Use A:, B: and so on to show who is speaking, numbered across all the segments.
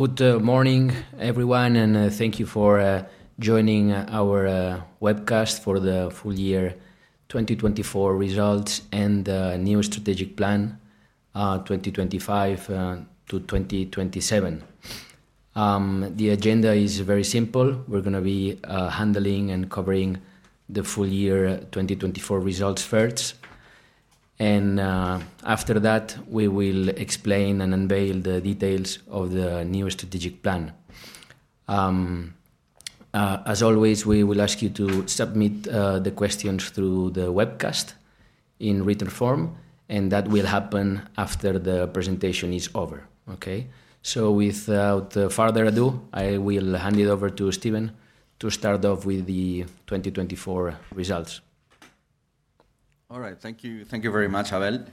A: Good morning, everyone, and thank you for joining our webcast for the full-year 2024 results and the new strategic plan, 2025 to 2027. The agenda is very simple. We're going to be handling and covering the full-year 2024 results first, and after that, we will explain and unveil the details of the new strategic plan. As always, we will ask you to submit the questions through the webcast in written form, and that will happen after the presentation is over, okay? So, without further ado, I will hand it over to Steven to start off with the 2024 results.
B: All right, thank you, thank you very much, Abel.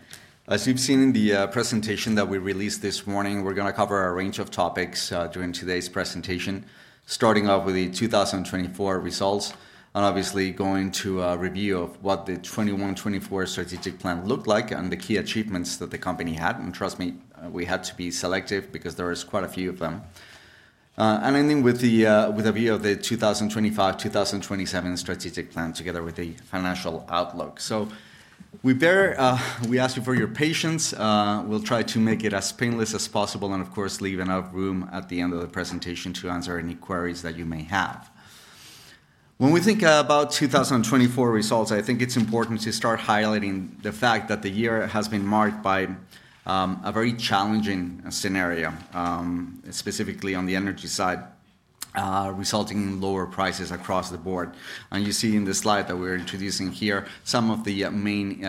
B: As you've seen in the presentation that we released this morning, we're going to cover a range of topics during today's presentation, starting off with the 2024 results and obviously going to a review of what the 2021-2024 strategic plan looked like and the key achievements that the company had. Trust me, we had to be selective because there are quite a few of them, and ending with a view of the 2025-2027 strategic plan together with the financial outlook. So we ask you for your patience. We'll try to make it as painless as possible and, of course, leave enough room at the end of the presentation to answer any queries that you may have. When we think about 2024 results, I think it's important to start highlighting the fact that the year has been marked by a very challenging scenario, specifically on the energy side, resulting in lower prices across the board, and you see in the slide that we're introducing here some of the main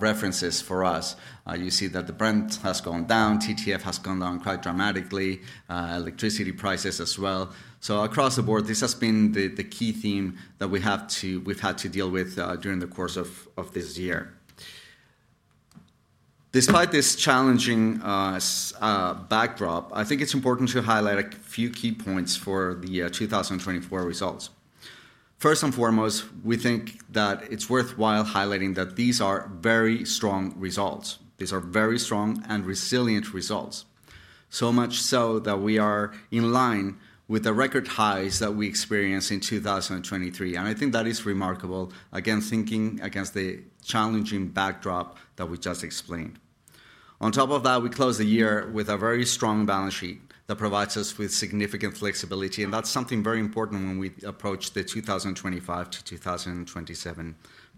B: references for us. You see that the Brent has gone down, TTF has gone down quite dramatically, electricity prices as well, so across the board, this has been the key theme that we've had to deal with during the course of this year. Despite this challenging backdrop, I think it's important to highlight a few key points for the 2024 results. First and foremost, we think that it's worthwhile highlighting that these are very strong results. These are very strong and resilient results, so much so that we are in line with the record highs that we experienced in 2023. I think that is remarkable, again, thinking against the challenging backdrop that we just explained. On top of that, we close the year with a very strong balance sheet that provides us with significant flexibility, and that's something very important when we approach the 2025 to 2027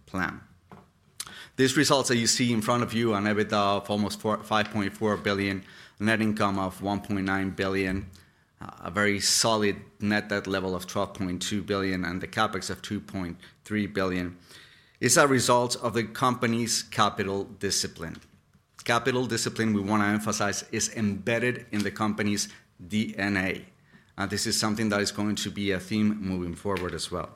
B: plan. These results that you see in front of you on EBITDA of almost 5.4 billion, net income of 1.9 billion, a very solid net debt level of 12.2 billion, and the CapEx of 2.3 billion is a result of the company's capital discipline. Capital discipline, we want to emphasize, is embedded in the company's DNA. This is something that is going to be a theme moving forward as well.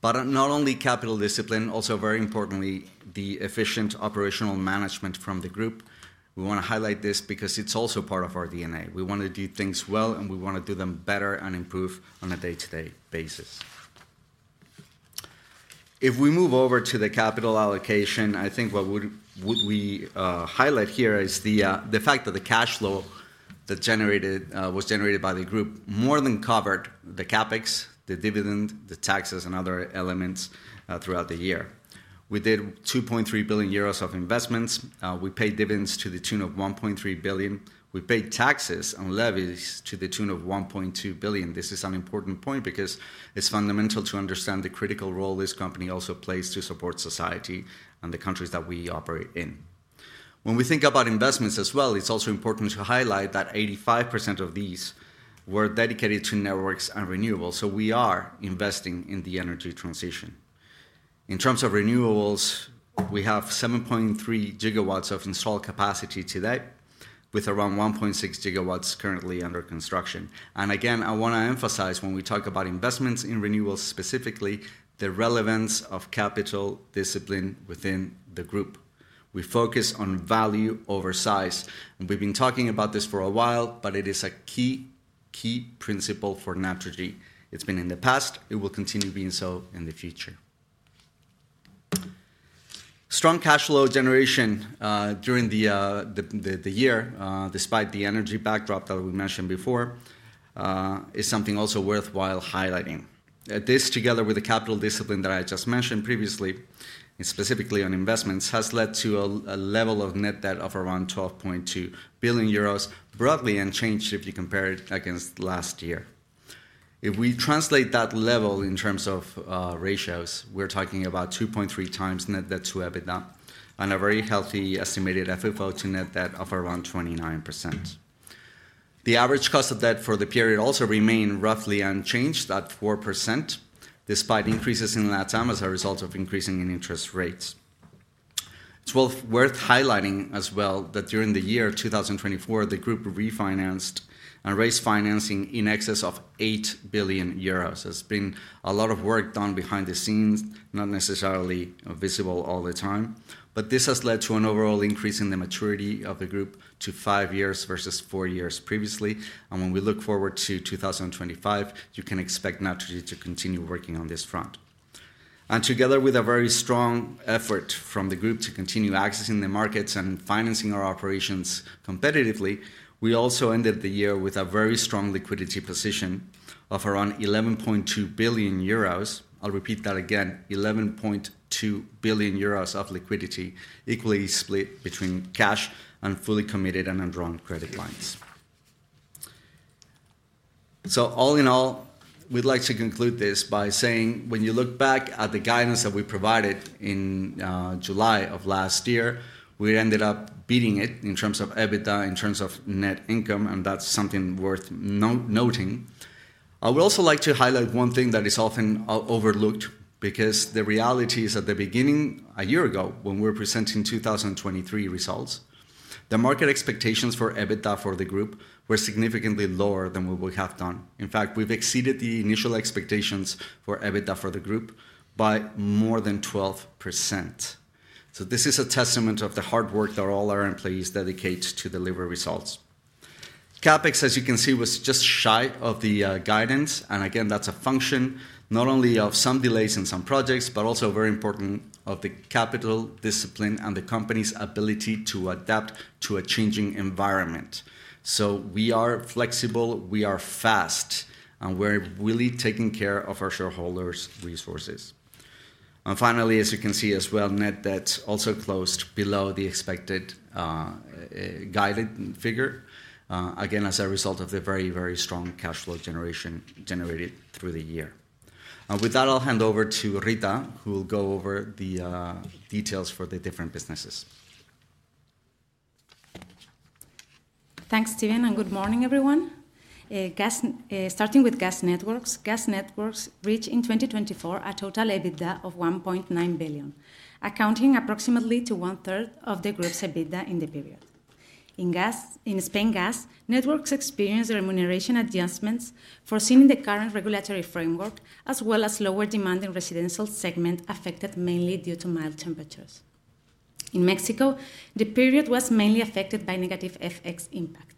B: But not only capital discipline, also very importantly, the efficient operational management from the group. We want to highlight this because it's also part of our DNA. We want to do things well, and we want to do them better and improve on a day-to-day basis. If we move over to the capital allocation, I think what we would highlight here is the fact that the cash flow that was generated by the group more than covered the CapEx, the dividend, the taxes, and other elements, throughout the year. We did 2.3 billion euros of investments. We paid dividends to the tune of 1.3 billion. We paid taxes and levies to the tune of 1.2 billion. This is an important point because it's fundamental to understand the critical role this company also plays to support society and the countries that we operate in. When we think about investments as well, it's also important to highlight that 85% of these were dedicated to networks and renewables. So we are investing in the energy transition. In terms of renewables, we have 7.3 GW of installed capacity today, with around 1.6 GW currently under construction. And again, I want to emphasize when we talk about investments in renewables specifically, the relevance of capital discipline within the group. We focus on value over size, and we've been talking about this for a while, but it is a key, key principle for Naturgy. It's been in the past. It will continue being so in the future. Strong cash flow generation, during the year, despite the energy backdrop that we mentioned before, is something also worthwhile highlighting. This, together with the capital discipline that I just mentioned previously, and specifically on investments, has led to a level of net debt of around 12.2 billion euros broadly unchanged if you compare it against last year. If we translate that level in terms of ratios, we're talking about 2.3 times net debt to EBITDA and a very healthy estimated FFO to net debt of around 29%. The average cost of debt for the period also remained roughly unchanged at 4%, despite increases in LATAM as a result of increases in interest rates. It's worth highlighting as well that during the year 2024, the group refinanced and raised financing in excess of 8 billion euros. There's been a lot of work done behind the scenes, not necessarily visible all the time, but this has led to an overall increase in the maturity of the group to five years versus four years previously. When we look forward to 2025, you can expect Naturgy to continue working on this front. Together with a very strong effort from the group to continue accessing the markets and financing our operations competitively, we also ended the year with a very strong liquidity position of around 11.2 billion euros. I'll repeat that again: 11.2 billion euros of liquidity equally split between cash and fully committed and enrolled credit lines. So all in all, we'd like to conclude this by saying when you look back at the guidance that we provided in July of last year, we ended up beating it in terms of EBITDA, in terms of net income, and that's something worth noting. I would also like to highlight one thing that is often overlooked because the reality is at the beginning, a year ago, when we were presenting 2023 results, the market expectations for EBITDA for the group were significantly lower than we would have done. In fact, we've exceeded the initial expectations for EBITDA for the group by more than 12%. So this is a testament to the hard work that all our employees dedicate to deliver results. CapEx, as you can see, was just shy of the guidance. Again, that's a function not only of some delays in some projects, but also very important of the capital discipline and the company's ability to adapt to a changing environment. We are flexible, we are fast, and we're really taking care of our shareholders' resources. Finally, as you can see as well, net debt also closed below the expected, guided figure, again, as a result of the very, very strong cash flow generation generated through the year. With that, I'll hand over to Rita, who will go over the details for the different businesses.
C: Thanks, Steven, and good morning, everyone. Gas, starting with gas networks, gas networks reached in 2024 a total EBITDA of 1.9 billion, accounting approximately for one-third of the group's EBITDA in the period. In gas, in Spain, gas networks experienced remuneration adjustments foreseen in the current regulatory framework, as well as lower demand in the residential segment affected mainly due to mild temperatures. In Mexico, the period was mainly affected by negative FX impact.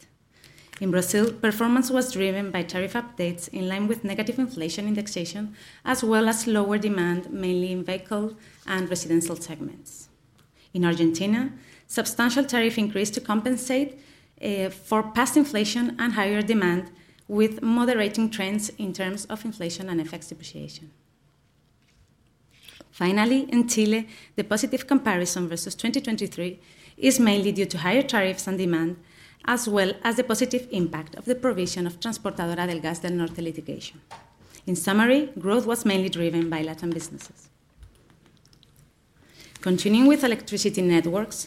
C: In Brazil, performance was driven by tariff updates in line with negative inflation indexation, as well as lower demand, mainly in vehicle and residential segments. In Argentina, substantial tariff increases to compensate for past inflation and higher demand, with moderating trends in terms of inflation and FX depreciation. Finally, in Chile, the positive comparison versus 2023 is mainly due to higher tariffs and demand, as well as the positive impact of the provision of Transportadora de Gas del Norte litigation. In summary, growth was mainly driven by LATAM businesses. Continuing with electricity networks,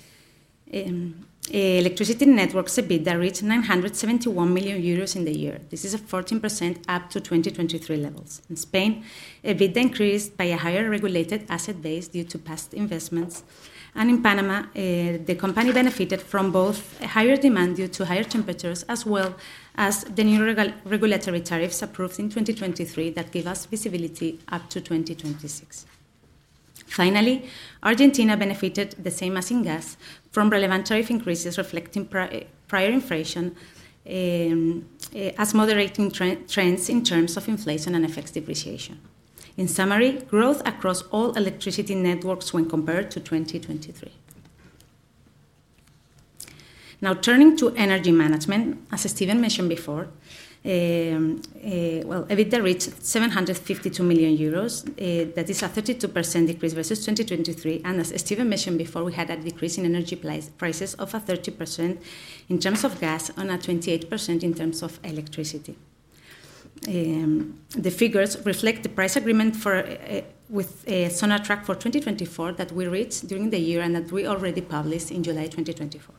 C: electricity networks EBITDA reached 971 million euros in the year. This is a 14% up to 2023 levels. In Spain, EBITDA increased by a higher regulated asset base due to past investments. In Panama, the company benefited from both higher demand due to higher temperatures, as well as the new regulatory tariffs approved in 2023 that give us visibility up to 2026. Finally, Argentina benefited, the same as in gas, from relevant tariff increases reflecting prior inflation, as moderating trends in terms of inflation and FX depreciation. In summary, growth across all electricity networks when compared to 2023. Now, turning to energy management, as Steven mentioned before, well, EBITDA reached 752 million euros. That is a 32% decrease versus 2023. As Steven mentioned before, we had a decrease in energy prices of a 30% in terms of gas and a 28% in terms of electricity. The figures reflect the price agreement with Sonatrach for 2024 that we reached during the year and that we already published in July 2024.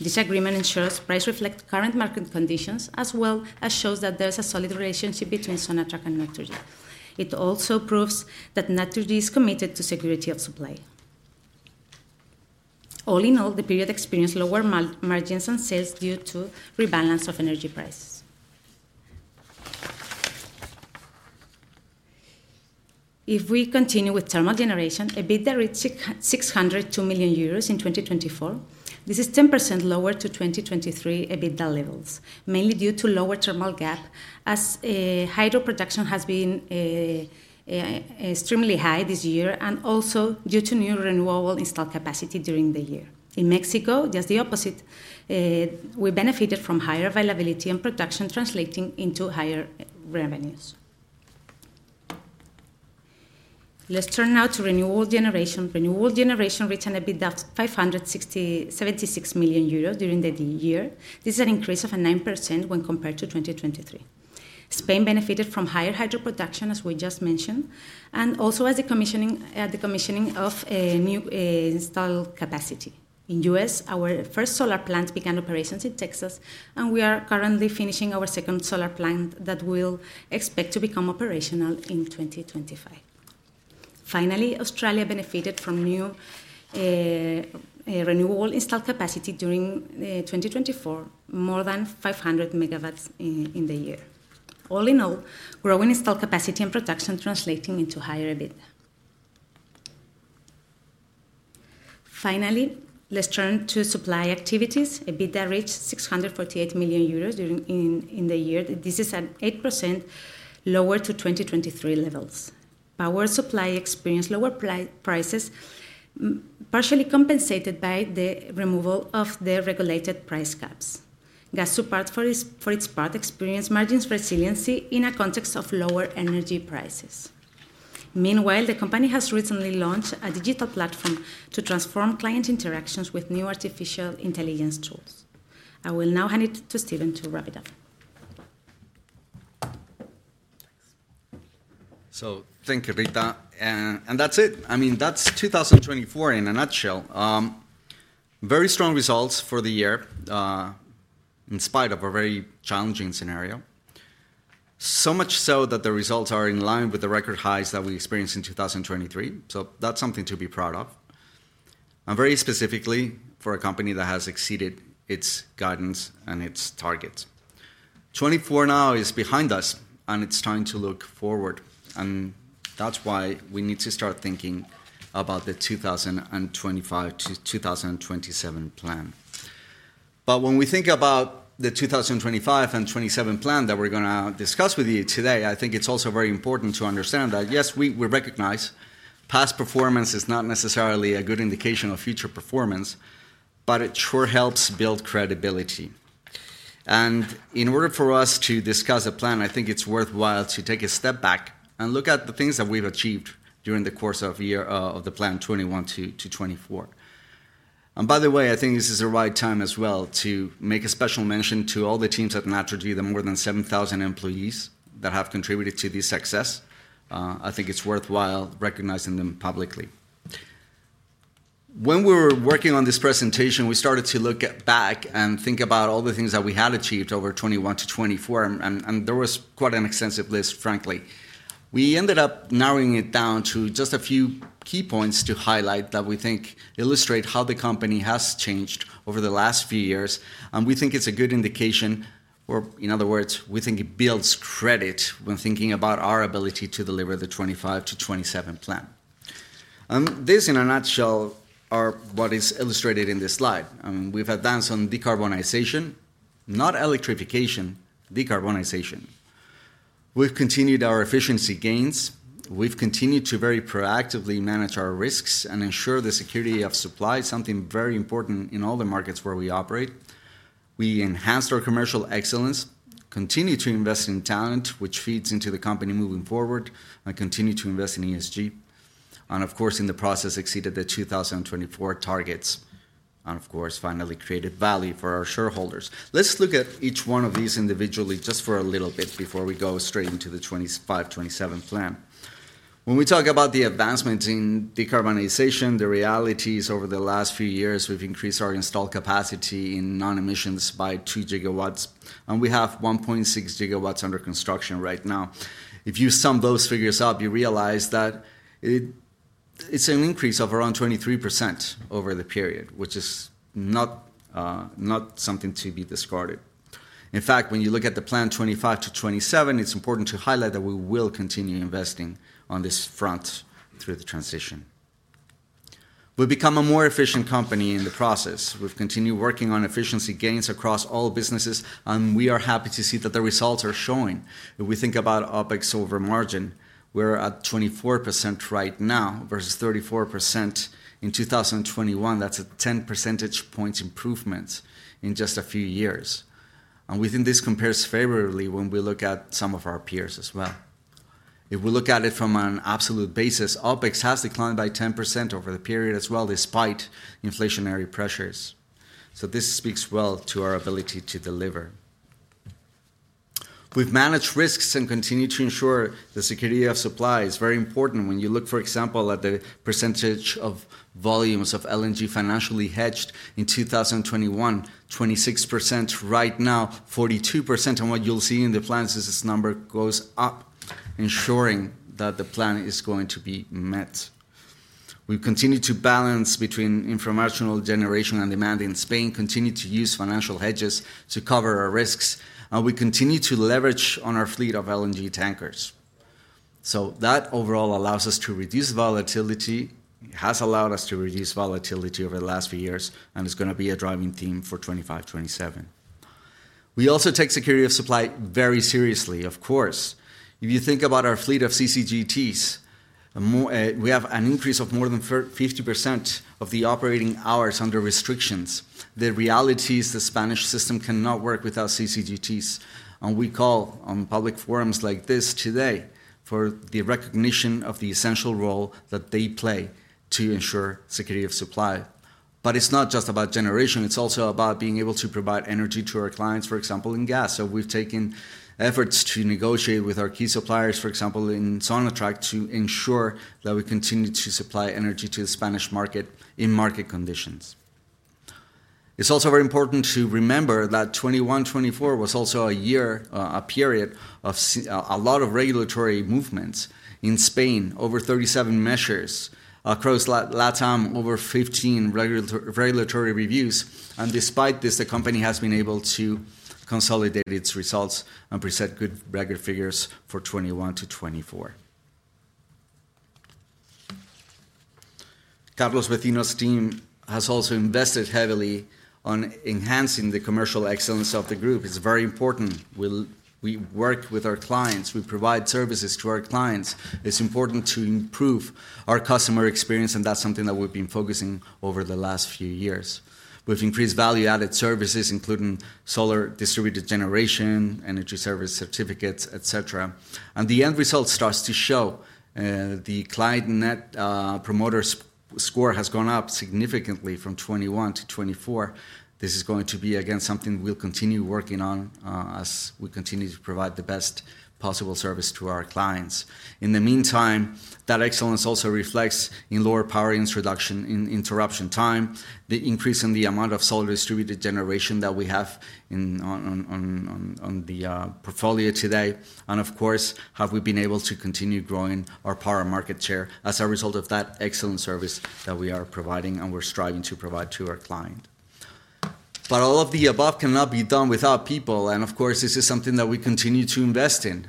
C: This agreement ensures price reflects current market conditions, as well as shows that there's a solid relationship between Sonatrach and Naturgy. It also proves that Naturgy is committed to security of supply. All in all, the period experienced lower margins and sales due to rebalance of energy prices. If we continue with thermal generation, EBITDA reached 602 million euros in 2024. This is 10% lower to 2023 EBITDA levels, mainly due to lower thermal gap as hydro production has been extremely high this year and also due to new renewable installed capacity during the year. In Mexico, just the opposite, we benefited from higher availability and production translating into higher revenues. Let's turn now to renewable generation. Renewable generation reached an EBITDA of 560.76 million euros during the year. This is an increase of 9% when compared to 2023. Spain benefited from higher hydro production, as we just mentioned, and also as the commissioning of new installed capacity. In the U.S., our first solar plant began operations in Texas, and we are currently finishing our second solar plant that we'll expect to become operational in 2025. Finally, Australia benefited from new renewable installed capacity during 2024, more than 500 MW in the year. All in all, growing installed capacity and production translating into higher EBITDA. Finally, let's turn to supply activities. EBITDA reached 648 million euros during the year. This is 8% lower than 2023 levels. Power supply experienced lower prices, partially compensated by the removal of the regulated price caps. Gas, part, for its part, experienced margin resiliency in a context of lower energy prices. Meanwhile, the company has recently launched a digital platform to transform client interactions with new artificial intelligence tools. I will now hand it to Steven to wrap it up.
B: So thank you, Rita. And that's it. I mean, that's 2024 in a nutshell. Very strong results for the year, in spite of a very challenging scenario. So much so that the results are in line with the record highs that we experienced in 2023. So that's something to be proud of. And very specifically for a company that has exceeded its guidance and its targets. 2024 now is behind us, and it's time to look forward. And that's why we need to start thinking about the 2025-2027 plan. But when we think about the 2025 and 2027 plan that we're going to discuss with you today, I think it's also very important to understand that, yes, we recognize past performance is not necessarily a good indication of future performance, but it sure helps build credibility. And in order for us to discuss a plan, I think it's worthwhile to take a step back and look at the things that we've achieved during the course of the year, of the plan 2021-2024. And by the way, I think this is the right time as well to make a special mention to all the teams at Naturgy. The more than 7,000 employees that have contributed to this success. I think it's worthwhile recognizing them publicly. When we were working on this presentation, we started to look back and think about all the things that we had achieved over 2021-2024. And there was quite an extensive list, frankly. We ended up narrowing it down to just a few key points to highlight that we think illustrate how the company has changed over the last few years. And we think it's a good indication, or in other words, we think it builds credit when thinking about our ability to deliver the 2025-2027 plan. And this, in a nutshell, are what is illustrated in this slide. We've advanced on decarbonization, not electrification, decarbonization. We've continued our efficiency gains. We've continued to very proactively manage our risks and ensure the security of supply, something very important in all the markets where we operate. We enhanced our commercial excellence, continued to invest in talent, which feeds into the company moving forward, and continued to invest in ESG. And of course, in the process, exceeded the 2024 targets. And of course, finally created value for our shareholders. Let's look at each one of these individually just for a little bit before we go straight into the 2025-2027 plan. When we talk about the advancements in decarbonization, the reality is over the last few years, we've increased our installed capacity in non-emissions by 2 GW, and we have 1.6 GW under construction right now. If you sum those figures up, you realize that it's an increase of around 23% over the period, which is not something to be discarded. In fact, when you look at the plan 2025-2027, it's important to highlight that we will continue investing on this front through the transition. We've become a more efficient company in the process. We've continued working on efficiency gains across all businesses, and we are happy to see that the results are showing. If we think about OpEx over margin, we're at 24% right now versus 34% in 2021. That's a 10 percentage point improvement in just a few years. We think this compares favorably when we look at some of our peers as well. If we look at it from an absolute basis, OpEx has declined by 10% over the period as well, despite inflationary pressures. This speaks well to our ability to deliver. We've managed risks and continued to ensure the security of supply is very important. When you look, for example, at the percentage of volumes of LNG financially hedged in 2021, 26% right now, 42%. What you'll see in the plans is this number goes up, ensuring that the plan is going to be met. We've continued to balance between inframarginal generation and demand in Spain, continued to use financial hedges to cover our risks, and we continue to leverage on our fleet of LNG tankers. So that overall allows us to reduce volatility, has allowed us to reduce volatility over the last few years, and it's going to be a driving theme for 2025-2027. We also take security of supply very seriously, of course. If you think about our fleet of CCGTs, we have an increase of more than 50% of the operating hours under restrictions. The reality is the Spanish system cannot work without CCGTs. And we call on public forums like this today for the recognition of the essential role that they play to ensure security of supply. But it's not just about generation. It's also about being able to provide energy to our clients, for example, in gas. So we've taken efforts to negotiate with our key suppliers, for example, in Sonatrach, to ensure that we continue to supply energy to the Spanish market in market conditions. It's also very important to remember that 2021-2024 was also a year, a period of a lot of regulatory movements in Spain, over 37 measures across LATAM, over 15 regulatory reviews. Despite this, the company has been able to consolidate its results and present good record figures for 2021 to 2024. Carlos Vecino's team has also invested heavily on enhancing the commercial excellence of the group. It's very important. We work with our clients. We provide services to our clients. It's important to improve our customer experience, and that's something that we've been focusing on over the last few years. We've increased value-added services, including solar distributed generation, energy service certificates, etc. The end result starts to show. The client Net Promoter Score has gone up significantly from 2021 to 2024. This is going to be, again, something we'll continue working on, as we continue to provide the best possible service to our clients. In the meantime, that excellence also reflects in lower power introduction and interruption time, the increase in the amount of solar distributed generation that we have in the portfolio today. And of course, have we been able to continue growing our power market share as a result of that excellent service that we are providing and we're striving to provide to our client. But all of the above cannot be done without people. And of course, this is something that we continue to invest in.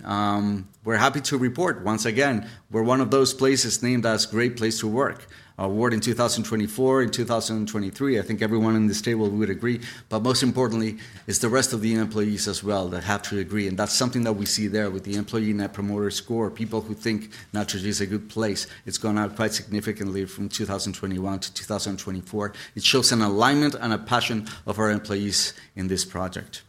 B: We're happy to report once again, we're one of those places named as Great Place to Work Award in 2024. In 2023, I think everyone on this table would agree. But most importantly, it's the rest of the employees as well that have to agree. And that's something that we see there with the employee Net Promoter Score, people who think Naturgy is a good place. It's gone up quite significantly from 2021-2024. It shows an alignment and a passion of our employees in this project.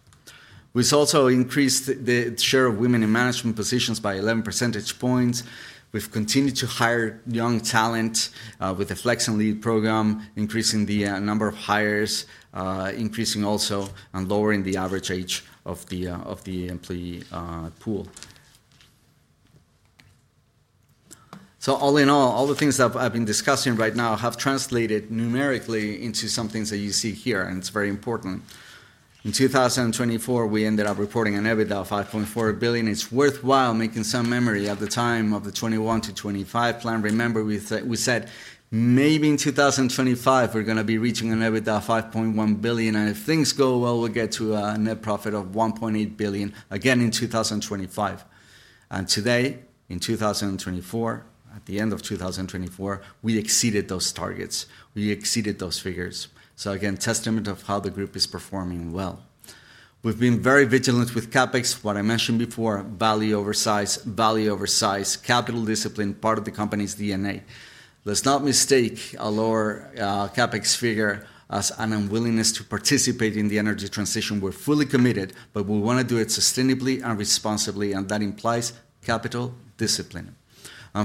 B: We've also increased the share of women in management positions by 11 percentage points. We've continued to hire young talent, with the Flex and Lead Program, increasing the number of hires, increasing also and lowering the average age of the employee pool. So all in all, all the things that I've been discussing right now have translated numerically into some things that you see here, and it's very important. In 2024, we ended up reporting an EBITDA of 5.4 billion. It's worthwhile making some mention at the time of the 2021-2025 plan. Remember, we said, we said maybe in 2025, we're going to be reaching an EBITDA of 5.1 billion. And if things go well, we'll get to a net profit of 1.8 billion again in 2025. And today, in 2024, at the end of 2024, we exceeded those targets. We exceeded those figures. So again, testament to how the group is performing well. We've been very vigilant with CapEx, what I mentioned before, value over size, value over size, capital discipline, part of the company's DNA. Let's not mistake a lower CapEx figure as an unwillingness to participate in the energy transition. We're fully committed, but we want to do it sustainably and responsibly. And that implies capital discipline.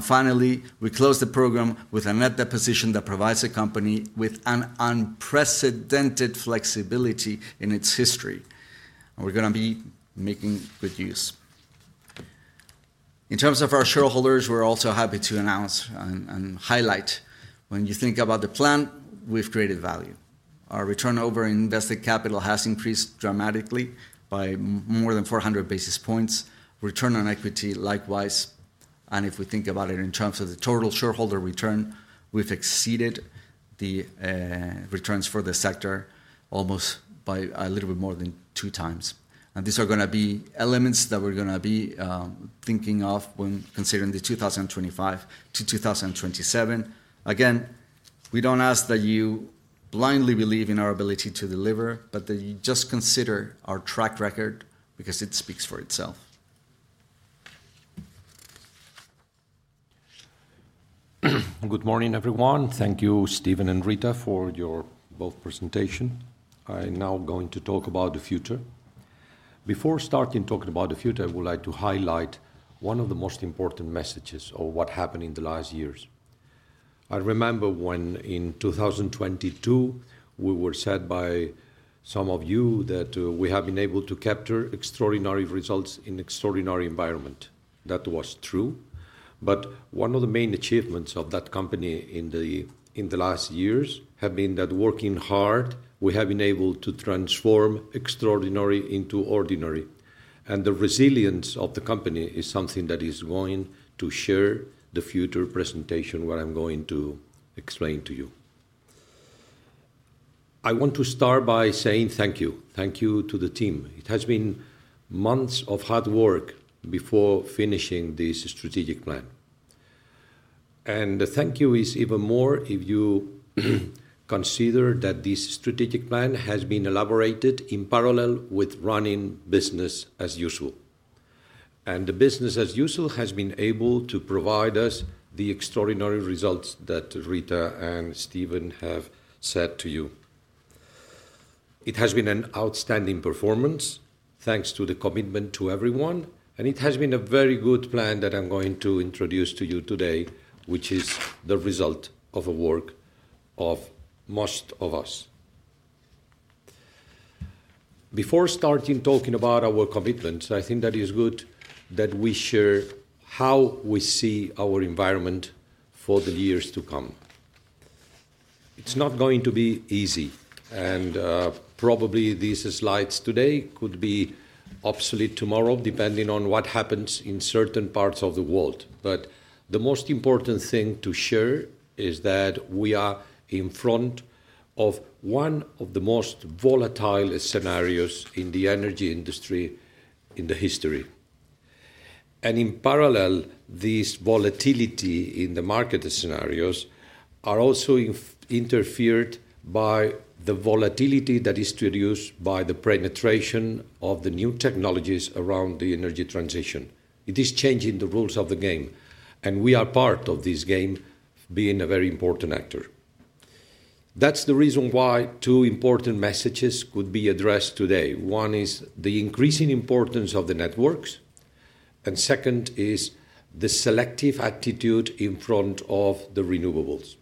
B: Finally, we close the program with a net debt position that provides the company with an unprecedented flexibility in its history. We're going to be making good use. In terms of our shareholders, we're also happy to announce and highlight when you think about the plan, we've created value. Our return over on invested capital has increased dramatically by more than 400 basis points. Return on equity likewise. If we think about it in terms of the total shareholder return, we've exceeded the returns for the sector almost by a little bit more than two times. These are going to be elements that we're going to be thinking of when considering the 2025-2027. Again, we don't ask that you blindly believe in our ability to deliver, but that you just consider our track record because it speaks for itself.
D: Good morning, everyone. Thank you, Steven and Rita, for your both presentation. I'm now going to talk about the future. Before starting talking about the future, I would like to highlight one of the most important messages of what happened in the last years. I remember when in 2022, we were said by some of you that we have been able to capture extraordinary results in an extraordinary environment. That was true. But one of the main achievements of that company in the last years has been that working hard, we have been able to transform extraordinary into ordinary, and the resilience of the company is something that is going to share the future presentation where I'm going to explain to you. I want to start by saying thank you. Thank you to the team. It has been months of hard work before finishing this strategic plan. The thank you is even more if you consider that this strategic plan has been elaborated in parallel with running business as usual. The business as usual has been able to provide us the extraordinary results that Rita and Steven have said to you. It has been an outstanding performance thanks to the commitment to everyone. It has been a very good plan that I'm going to introduce to you today, which is the result of the work of most of us. Before starting talking about our commitments, I think that it is good that we share how we see our environment for the years to come. It's not going to be easy. Probably these slides today could be obsolete tomorrow, depending on what happens in certain parts of the world. But the most important thing to share is that we are in front of one of the most volatile scenarios in the energy industry in history. And in parallel, this volatility in the market scenarios is also interfered by the volatility that is produced by the penetration of the new technologies around the energy transition. It is changing the rules of the game. And we are part of this game being a very important actor. That's the reason why two important messages could be addressed today. One is the increasing importance of the networks. And second is the selective attitude in front of the renewables.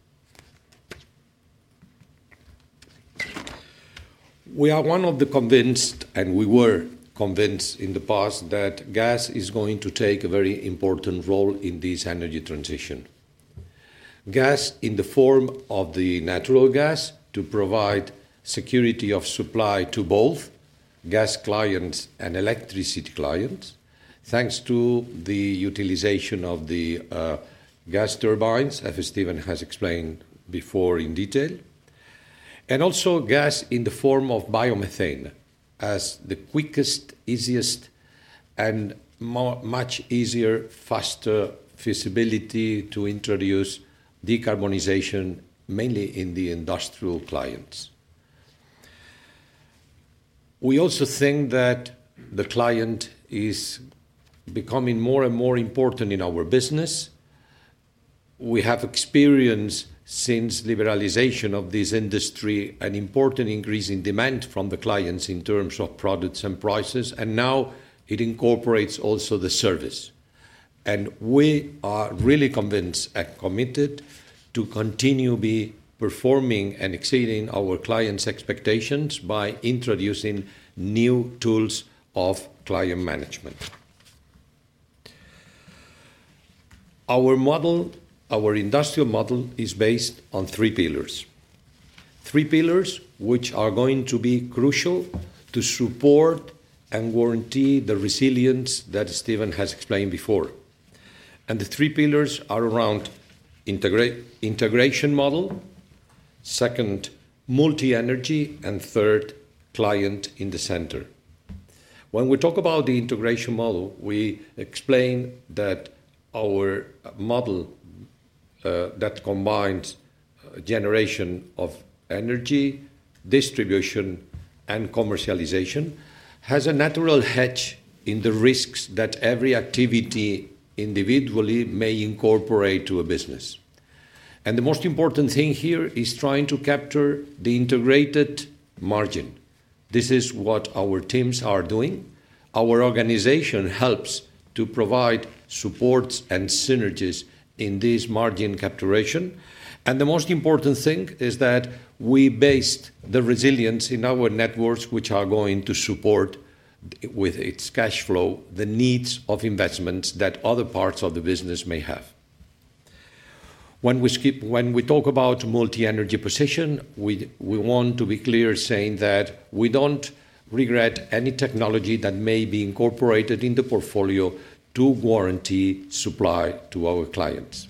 D: We are one of the convinced, and we were convinced in the past that gas is going to take a very important role in this energy transition. Gas in the form of the natural gas to provide security of supply to both gas clients and electricity clients, thanks to the utilization of the gas turbines, as Steven has explained before in detail, and also gas in the form of biomethane as the quickest, easiest, and much easier, faster feasibility to introduce decarbonization, mainly in the industrial clients. We also think that the client is becoming more and more important in our business. We have experienced since liberalization of this industry an important increase in demand from the clients in terms of products and prices, and now it incorporates also the service, and we are really convinced and committed to continue performing and exceeding our clients' expectations by introducing new tools of client management. Our model, our industrial model is based on three pillars. Three pillars which are going to be crucial to support and guarantee the resilience that Steven has explained before, and the three pillars are around integration model, second, Multi-Energy, and third, Client in the Center. When we talk about the integration model, we explain that our model that combines generation of energy, distribution, and commercialization has a natural hedge in the risks that every activity individually may incorporate to a business, and the most important thing here is trying to capture the integrated margin. This is what our teams are doing. Our organization helps to provide support and synergies in this margin capture, and the most important thing is that we base the resilience in our networks, which are going to support with its cash flow the needs of investments that other parts of the business may have. When we speak about Multi-Energy position, we want to be clear saying that we don't reject any technology that may be incorporated in the portfolio to guarantee supply to our clients.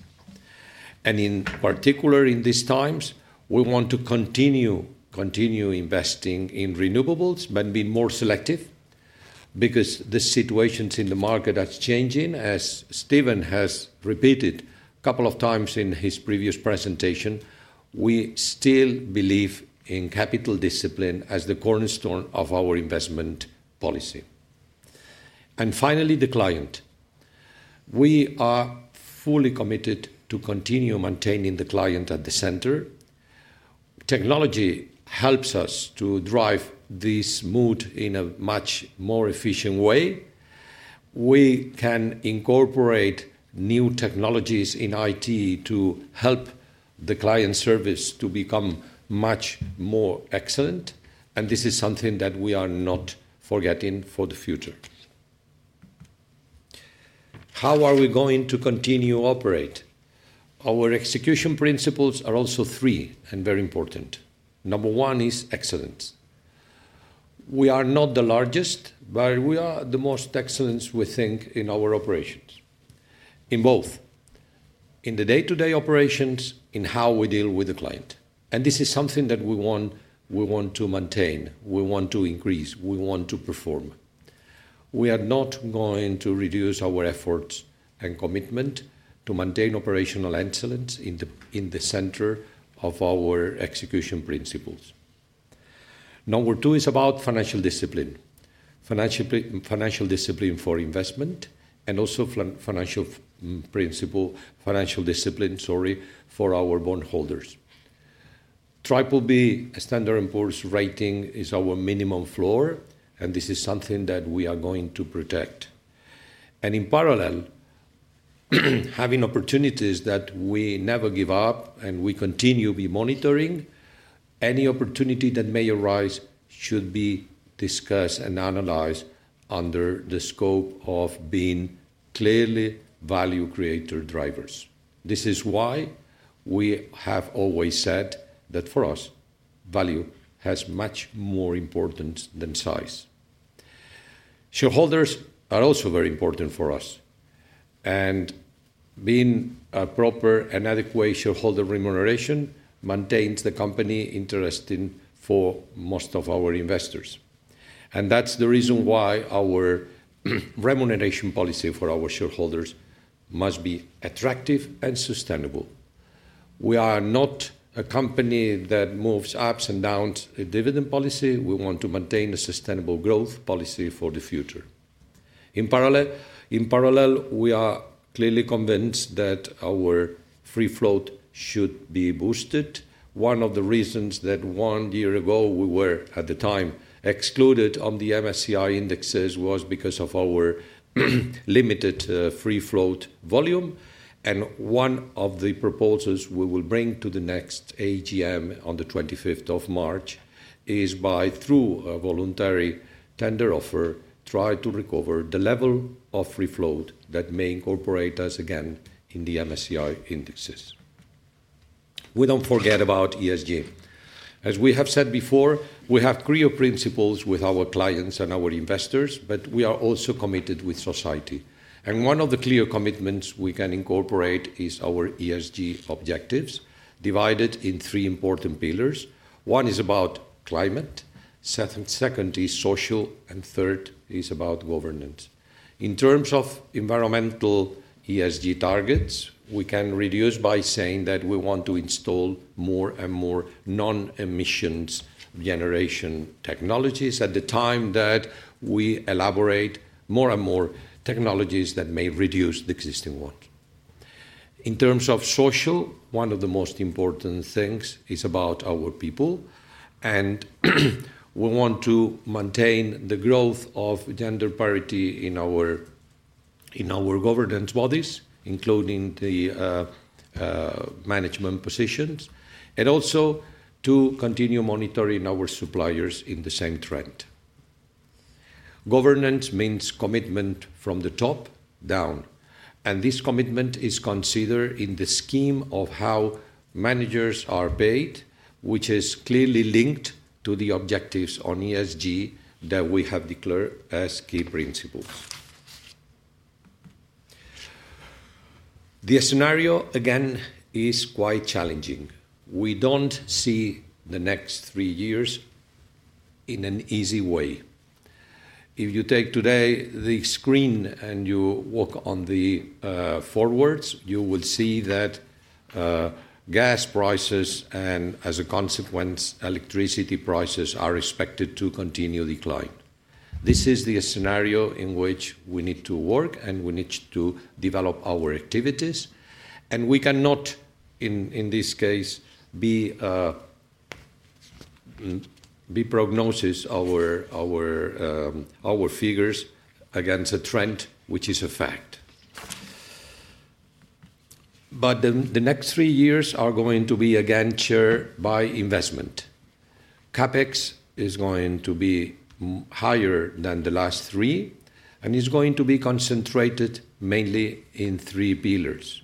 D: In particular, in these times, we want to continue investing in renewables, but be more selective because the situation in the market is changing. As Steven has repeated a couple of times in his previous presentation, we still believe in capital discipline as the cornerstone of our investment policy. Finally, the client. We are fully committed to continue maintaining the client at the center. Technology helps us to drive this mode in a much more efficient way. We can incorporate new technologies in IT to help the client service to become much more excellent. This is something that we are not forgetting for the future. How are we going to continue to operate? Our execution principles are also three and very important. Number one is excellence. We are not the largest, but we are the most excellent we think in our operations. In both, in the day-to-day operations, in how we deal with the client. And this is something that we want, we want to maintain, we want to increase, we want to perform. We are not going to reduce our efforts and commitment to maintain operational excellence in the center of our execution principles. Number two is about financial discipline. Financial discipline for investment and also financial principle, financial discipline, sorry, for our bondholders. Triple-B Standard & Poor's rating is our minimum floor. And this is something that we are going to protect. And in parallel, having opportunities that we never give up and we continue to be monitoring, any opportunity that may arise should be discussed and analyzed under the scope of being clearly value creator drivers. This is why we have always said that for us, value has much more importance than size. Shareholders are also very important for us. And being a proper and adequate shareholder remuneration maintains the company interesting for most of our investors. And that's the reason why our remuneration policy for our shareholders must be attractive and sustainable. We are not a company that moves ups and downs in dividend policy. We want to maintain a sustainable growth policy for the future. In parallel, in parallel, we are clearly convinced that our free float should be boosted. One of the reasons that one year ago we were at the time excluded on the MSCI indexes was because of our limited free float volume. And one of the proposals we will bring to the next AGM on the 25th of March is, through a voluntary tender offer, to try to recover the level of free float that may incorporate us again in the MSCI indexes. We don't forget about ESG. As we have said before, we have clear principles with our clients and our investors, but we are also committed with society. And one of the clear commitments we can incorporate is our ESG objectives divided in three important pillars. One is about climate, second is social, and third is about governance. In terms of environmental ESG targets, we can reduce by saying that we want to install more and more non-emissions generation technologies at the time that we elaborate more and more technologies that may reduce the existing ones. In terms of social, one of the most important things is about our people and we want to maintain the growth of gender parity in our governance bodies, including the management positions, and also to continue monitoring our suppliers in the same trend. Governance means commitment from the top down and this commitment is considered in the scheme of how managers are paid, which is clearly linked to the objectives on ESG that we have declared as key principles. The scenario, again, is quite challenging. We don't see the next three years in an easy way. If you take today the screen and you walk on the forwards, you will see that gas prices and as a consequence, electricity prices are expected to continue decline. This is the scenario in which we need to work and we need to develop our activities. We cannot in this case be prognosis our figures against a trend which is a fact. The next three years are going to be again shared by investment. CapEx is going to be higher than the last three and is going to be concentrated mainly in three pillars: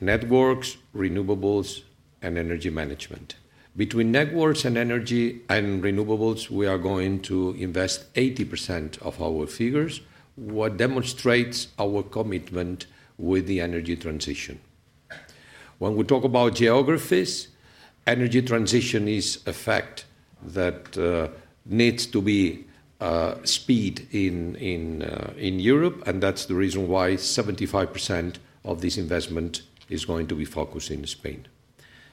D: networks, renewables, and energy management. Between networks and energy and renewables, we are going to invest 80% of our figures, what demonstrates our commitment with the energy transition. When we talk about geographies, energy transition is a fact that needs to be speed in Europe. That's the reason why 75% of this investment is going to be focused in Spain.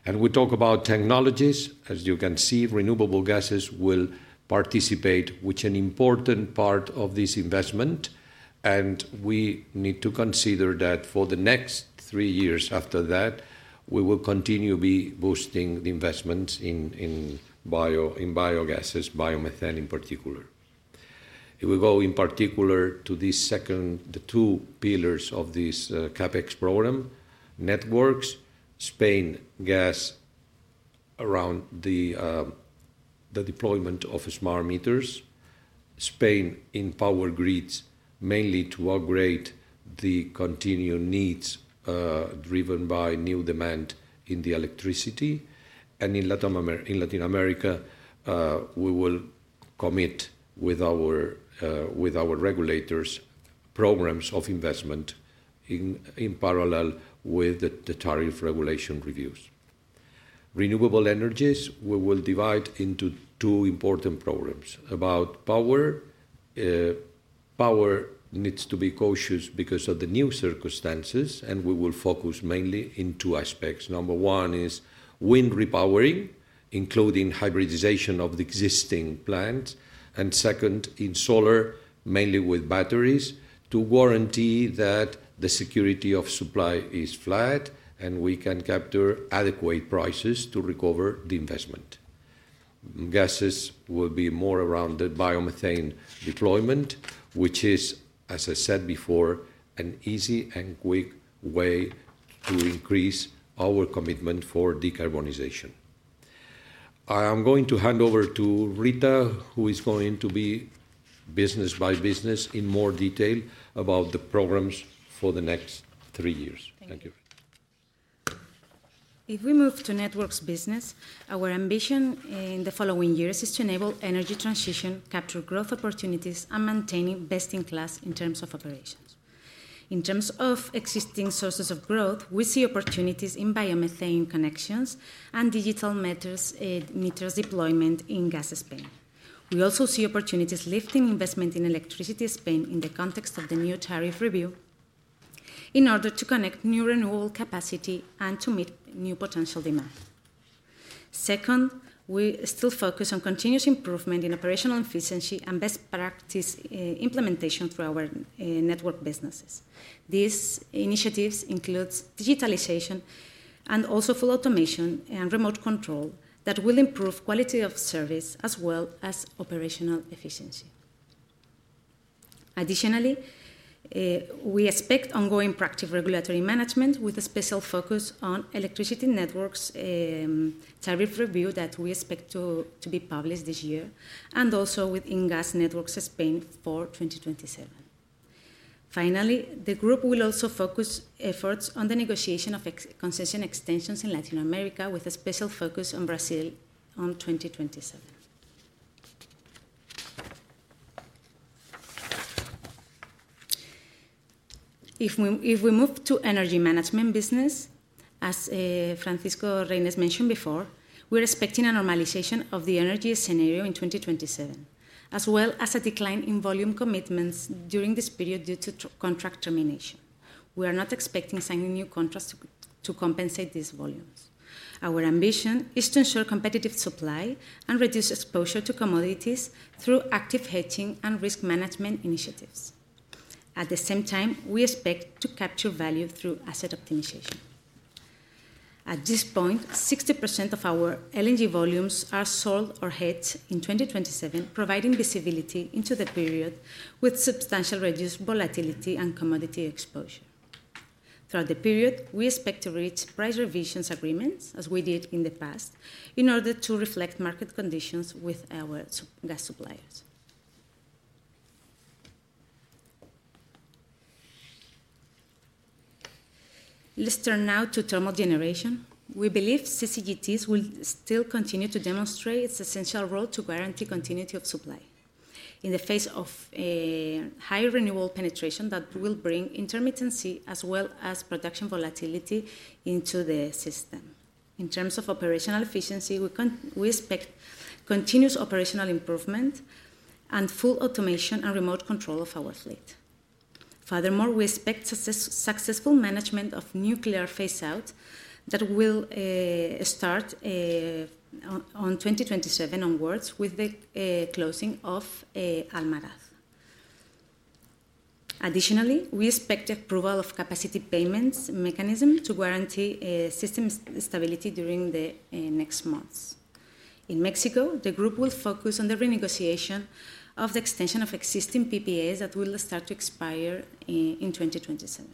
D: We talk about technologies. As you can see, renewable gases will participate with an important part of this investment. We need to consider that for the next three years after that, we will continue to be boosting the investments in biogases, biomethane in particular. If we go in particular to the second, the two pillars of this CapEx program, networks, Spain gas around the deployment of smart meters, Spain in power grids mainly to upgrade the connection needs, driven by new demand in the electricity. In LATAM, Latin America, we will commit with our regulators programs of investment in parallel with the tariff regulation reviews. Renewable energies, we will divide into two important programs about power. Power needs to be cautious because of the new circumstances, and we will focus mainly in two aspects. Number one is wind repowering, including hybridization of the existing plants, and second, in solar, mainly with batteries to guarantee that the security of supply is flat and we can capture adequate prices to recover the investment. Gases will be more around the biomethane deployment, which is, as I said before, an easy and quick way to increase our commitment for decarbonization. I am going to hand over to Rita, who is going to be business by business in more detail about the programs for the next three years. Thank you.
C: If we move to networks business, our ambition in the following years is to enable energy transition, capture growth opportunities, and maintaining best in class in terms of operations. In terms of existing sources of growth, we see opportunities in biomethane connections and digital meters deployment in gas Spain. We also see opportunities lifting investment in electricity Spain in the context of the new tariff review in order to connect new renewable capacity and to meet new potential demand. Second, we still focus on continuous improvement in operational efficiency and best practice implementation for our network businesses. These initiatives include digitalization and also full automation and remote control that will improve quality of service as well as operational efficiency. Additionally, we expect ongoing proactive regulatory management with a special focus on electricity networks, tariff review that we expect to be published this year and also within gas networks Spain for 2027. Finally, the group will also focus efforts on the negotiation of concession extensions in Latin America with a special focus on Brazil on 2027. If we move to energy management business, as Francisco Reynés mentioned before, we're expecting a normalization of the energy scenario in 2027, as well as a decline in volume commitments during this period due to contract termination. We are not expecting signing new contracts to compensate these volumes. Our ambition is to ensure competitive supply and reduce exposure to commodities through active hedging and risk management initiatives. At the same time, we expect to capture value through asset optimization. At this point, 60% of our LNG volumes are sold or hedged in 2027, providing visibility into the period with substantial reduced volatility and commodity exposure. Throughout the period, we expect to reach price revisions agreements as we did in the past in order to reflect market conditions with our gas suppliers. Let's turn now to thermal generation. We believe CCGTs will still continue to demonstrate its essential role to guarantee continuity of supply in the face of high renewable penetration that will bring intermittency as well as production volatility into the system. In terms of operational efficiency, we expect continuous operational improvement and full automation and remote control of our fleet. Furthermore, we expect successful management of nuclear phase-out that will start on 2027 onwards with the closing of Almaraz. Additionally, we expect approval of capacity payments mechanism to guarantee system stability during the next months. In Mexico, the group will focus on the renegotiation of the extension of existing PPAs that will start to expire in 2027.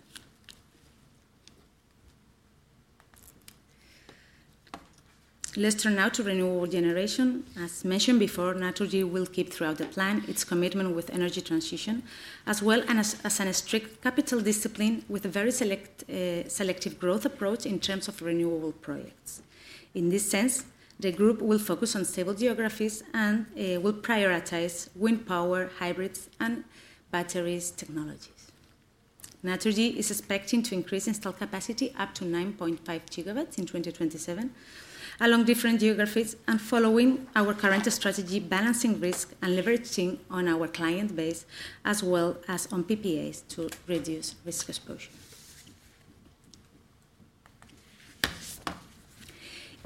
C: Let's turn now to renewable generation. As mentioned before, Naturgy will keep throughout the plan its commitment with energy transition as well as a strict capital discipline with a very selective growth approach in terms of renewable projects. In this sense, the group will focus on stable geographies and will prioritize wind power, hybrids, and batteries technologies. Naturgy is expecting to increase installed capacity up to 9.5 GW in 2027 along different geographies and following our current strategy, balancing risk and leveraging on our client base as well as on PPAs to reduce risk exposure.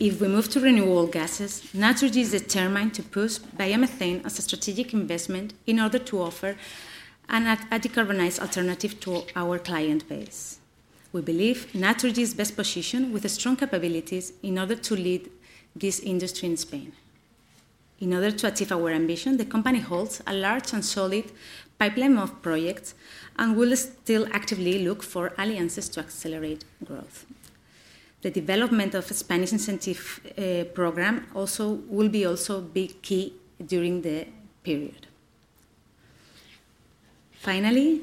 C: If we move to renewable gases, Naturgy is determined to push biomethane as a strategic investment in order to offer a decarbonized alternative to our client base. We believe Naturgy is best positioned with strong capabilities in order to lead this industry in Spain. In order to achieve our ambition, the company holds a large and solid pipeline of projects and will still actively look for alliances to accelerate growth. The development of a Spanish incentive program also will be key during the period. Finally,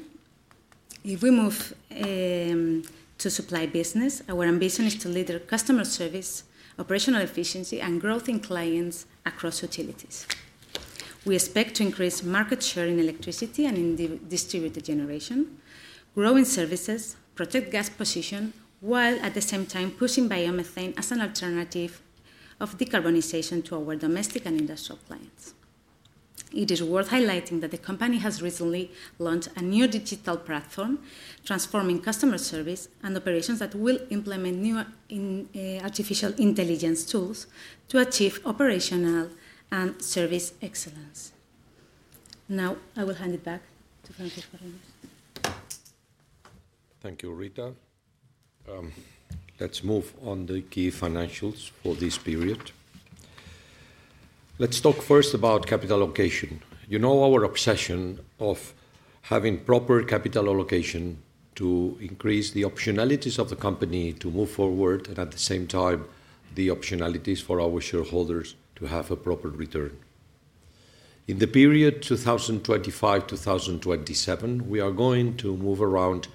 C: if we move to supply business, our ambition is to lead customer service, operational efficiency, and growth in clients across utilities. We expect to increase market share in electricity and in distributed generation, growing services, protect gas position, while at the same time pushing biomethane as an alternative of decarbonization to our domestic and industrial clients. It is worth highlighting that the company has recently launched a new digital platform transforming customer service and operations that will implement new artificial intelligence tools to achieve operational and service excellence. Now I will hand it back to Francisco Reynés.
D: Thank you, Rita. Let's move on the key financials for this period. Let's talk first about capital allocation. You know our obsession of having proper capital allocation to increase the optionalities of the company to move forward and at the same time the optionalities for our shareholders to have a proper return. In the period 2025-2027, we are going to move around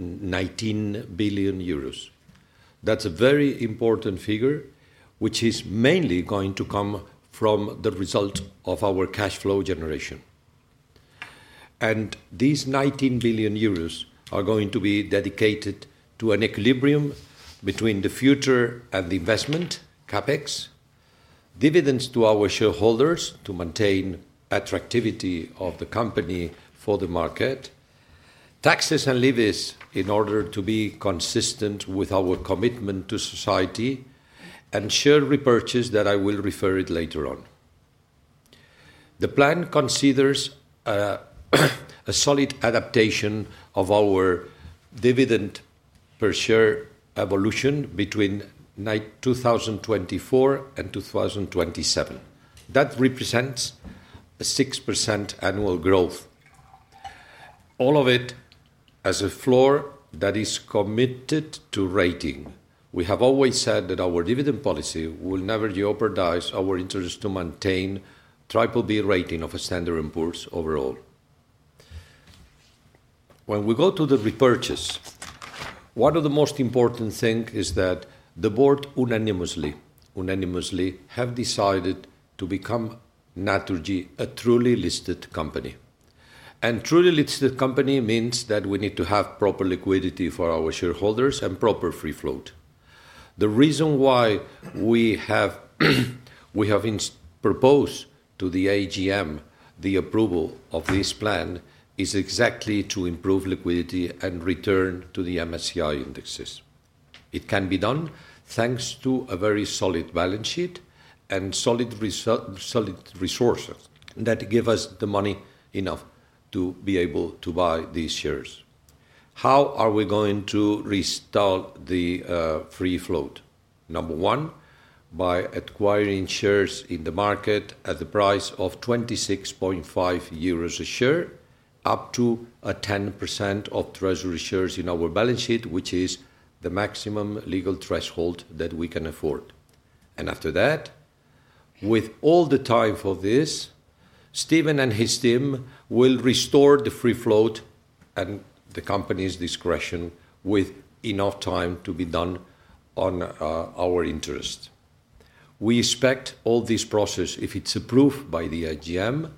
D: 19 billion euros. That's a very important figure, which is mainly going to come from the result of our cash flow generation. These 19 billion euros are going to be dedicated to an equilibrium between the future and the investment, CapEx, dividends to our shareholders to maintain attractivity of the company for the market, taxes and levies in order to be consistent with our commitment to society, and share repurchase that I will refer it later on. The plan considers a solid adaptation of our dividend per share evolution between 2024 and 2027. That represents a 6% annual growth. All of it as a floor that is committed to rating. We have always said that our dividend policy will never jeopardize our interest to maintain Triple-B rating of Standard & Poor's overall. When we go to the repurchase, one of the most important things is that the board unanimously have decided to become Naturgy a truly listed company. And truly listed company means that we need to have proper liquidity for our shareholders and proper free float. The reason why we have proposed to the AGM the approval of this plan is exactly to improve liquidity and return to the MSCI indexes. It can be done thanks to a very solid balance sheet and solid resources that give us the money enough to be able to buy these shares. How are we going to restart the free float? Number one, by acquiring shares in the market at the price of 26.5 euros a share, up to 10% of treasury shares in our balance sheet, which is the maximum legal threshold that we can afford. And after that, with all the time for this, Steven and his team will restore the free float and the company's discretion with enough time to be done on our interest. We expect all this process, if it's approved by the AGM,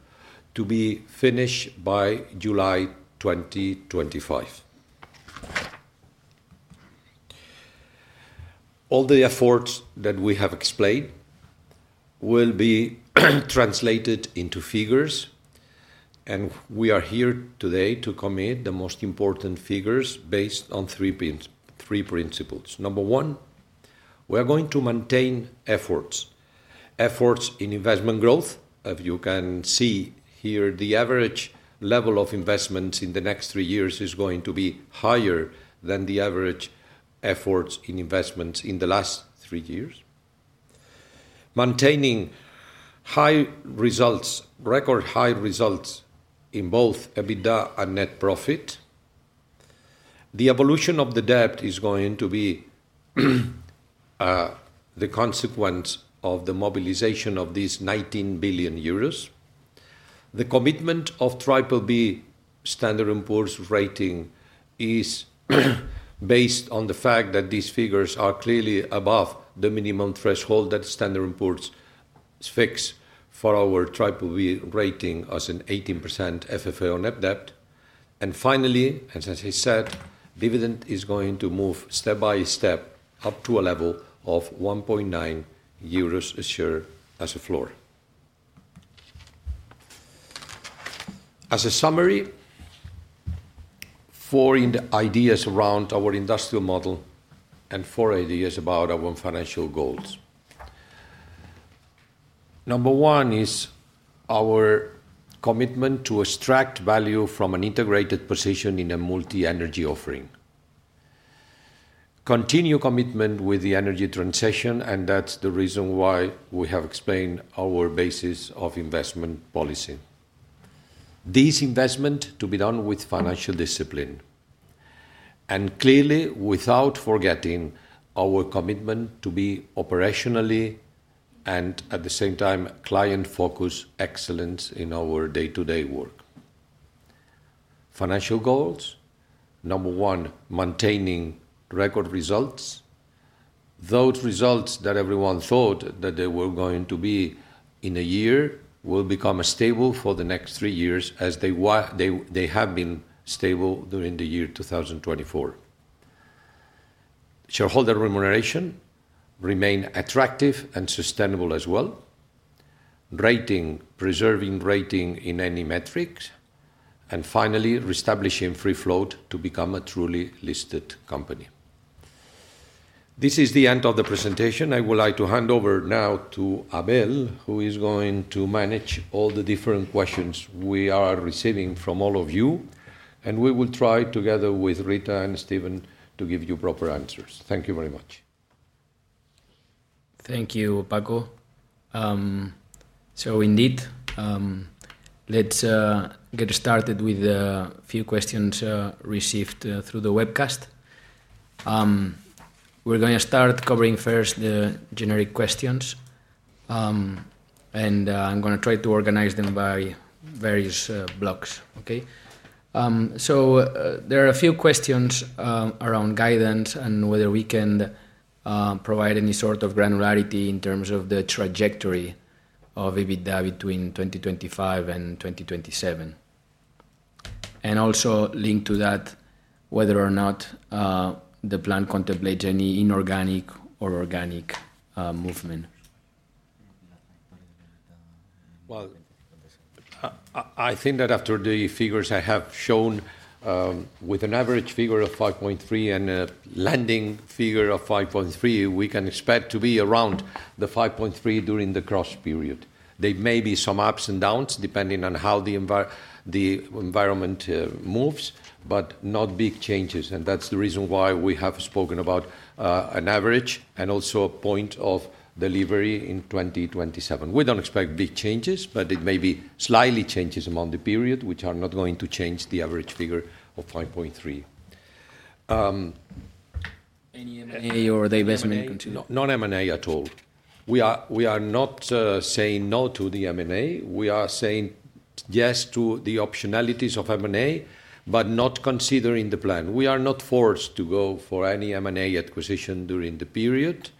D: to be finished by July 2025. All the efforts that we have explained will be translated into figures. And we are here today to commit the most important figures based on three principles. Number one, we are going to maintain efforts, efforts in investment growth. As you can see here, the average level of investments in the next three years is going to be higher than the average efforts in investments in the last three years. Maintaining high results, record high results in both EBITDA and net profit. The evolution of the debt is going to be the consequence of the mobilization of these 19 billion euros. The commitment of Triple-B Standard & Poor's rating is based on the fact that these figures are clearly above the minimum threshold that Standard & Poor's fixes for our Triple-B rating as an 18% FFO to net debt. Finally, as I said, dividend is going to move step by step up to a level of 1.9 euros a share as a floor. As a summary, four ideas around our industrial model and four ideas about our financial goals. Number one is our commitment to extract value from an integrated position in a multi-energy offering. Continue commitment with the energy transition, and that's the reason why we have explained our basis of investment policy. This investment to be done with financial discipline and clearly without forgetting our commitment to be operationally and at the same time client focus excellence in our day-to-day work. Financial goals, number one, maintaining record results. Those results that everyone thought that they were going to be in a year will become stable for the next three years as they have been stable during the year 2024. Shareholder remuneration remain attractive and sustainable as well. Ratings, preserving ratings in any metrics, and finally reestablishing free float to become a truly listed company. This is the end of the presentation. I would like to hand over now to Abel, who is going to manage all the different questions we are receiving from all of you, and we will try together with Rita and Steven to give you proper answers. Thank you very much.
A: Thank you, Paco. So indeed, let's get started with a few questions received through the webcast. We're going to start covering first the generic questions, and I'm going to try to organize them by various blocks, okay? There are a few questions around guidance and whether we can provide any sort of granularity in terms of the trajectory of EBITDA between 2025 and 2027. And also linked to that, whether or not the plan contemplates any inorganic or organic movement?
D: Well, I think that after the figures I have shown, with an average figure of 5.3 and a landing figure of 5.3, we can expect to be around the 5.3 during the cross period. There may be some ups and downs depending on how the environment moves, but not big changes. And that's the reason why we have spoken about an average and also a point of delivery in 2027. We don't expect big changes, but there may be slight changes during the period, which are not going to change the average figure of 5.3.
A: Any M&A or the investment?
D: No M&A at all. We are not saying no to the M&A. We are saying yes to the optionalities of M&A, but not considering the plan. We are not forced to go for any M&A acquisition during the period.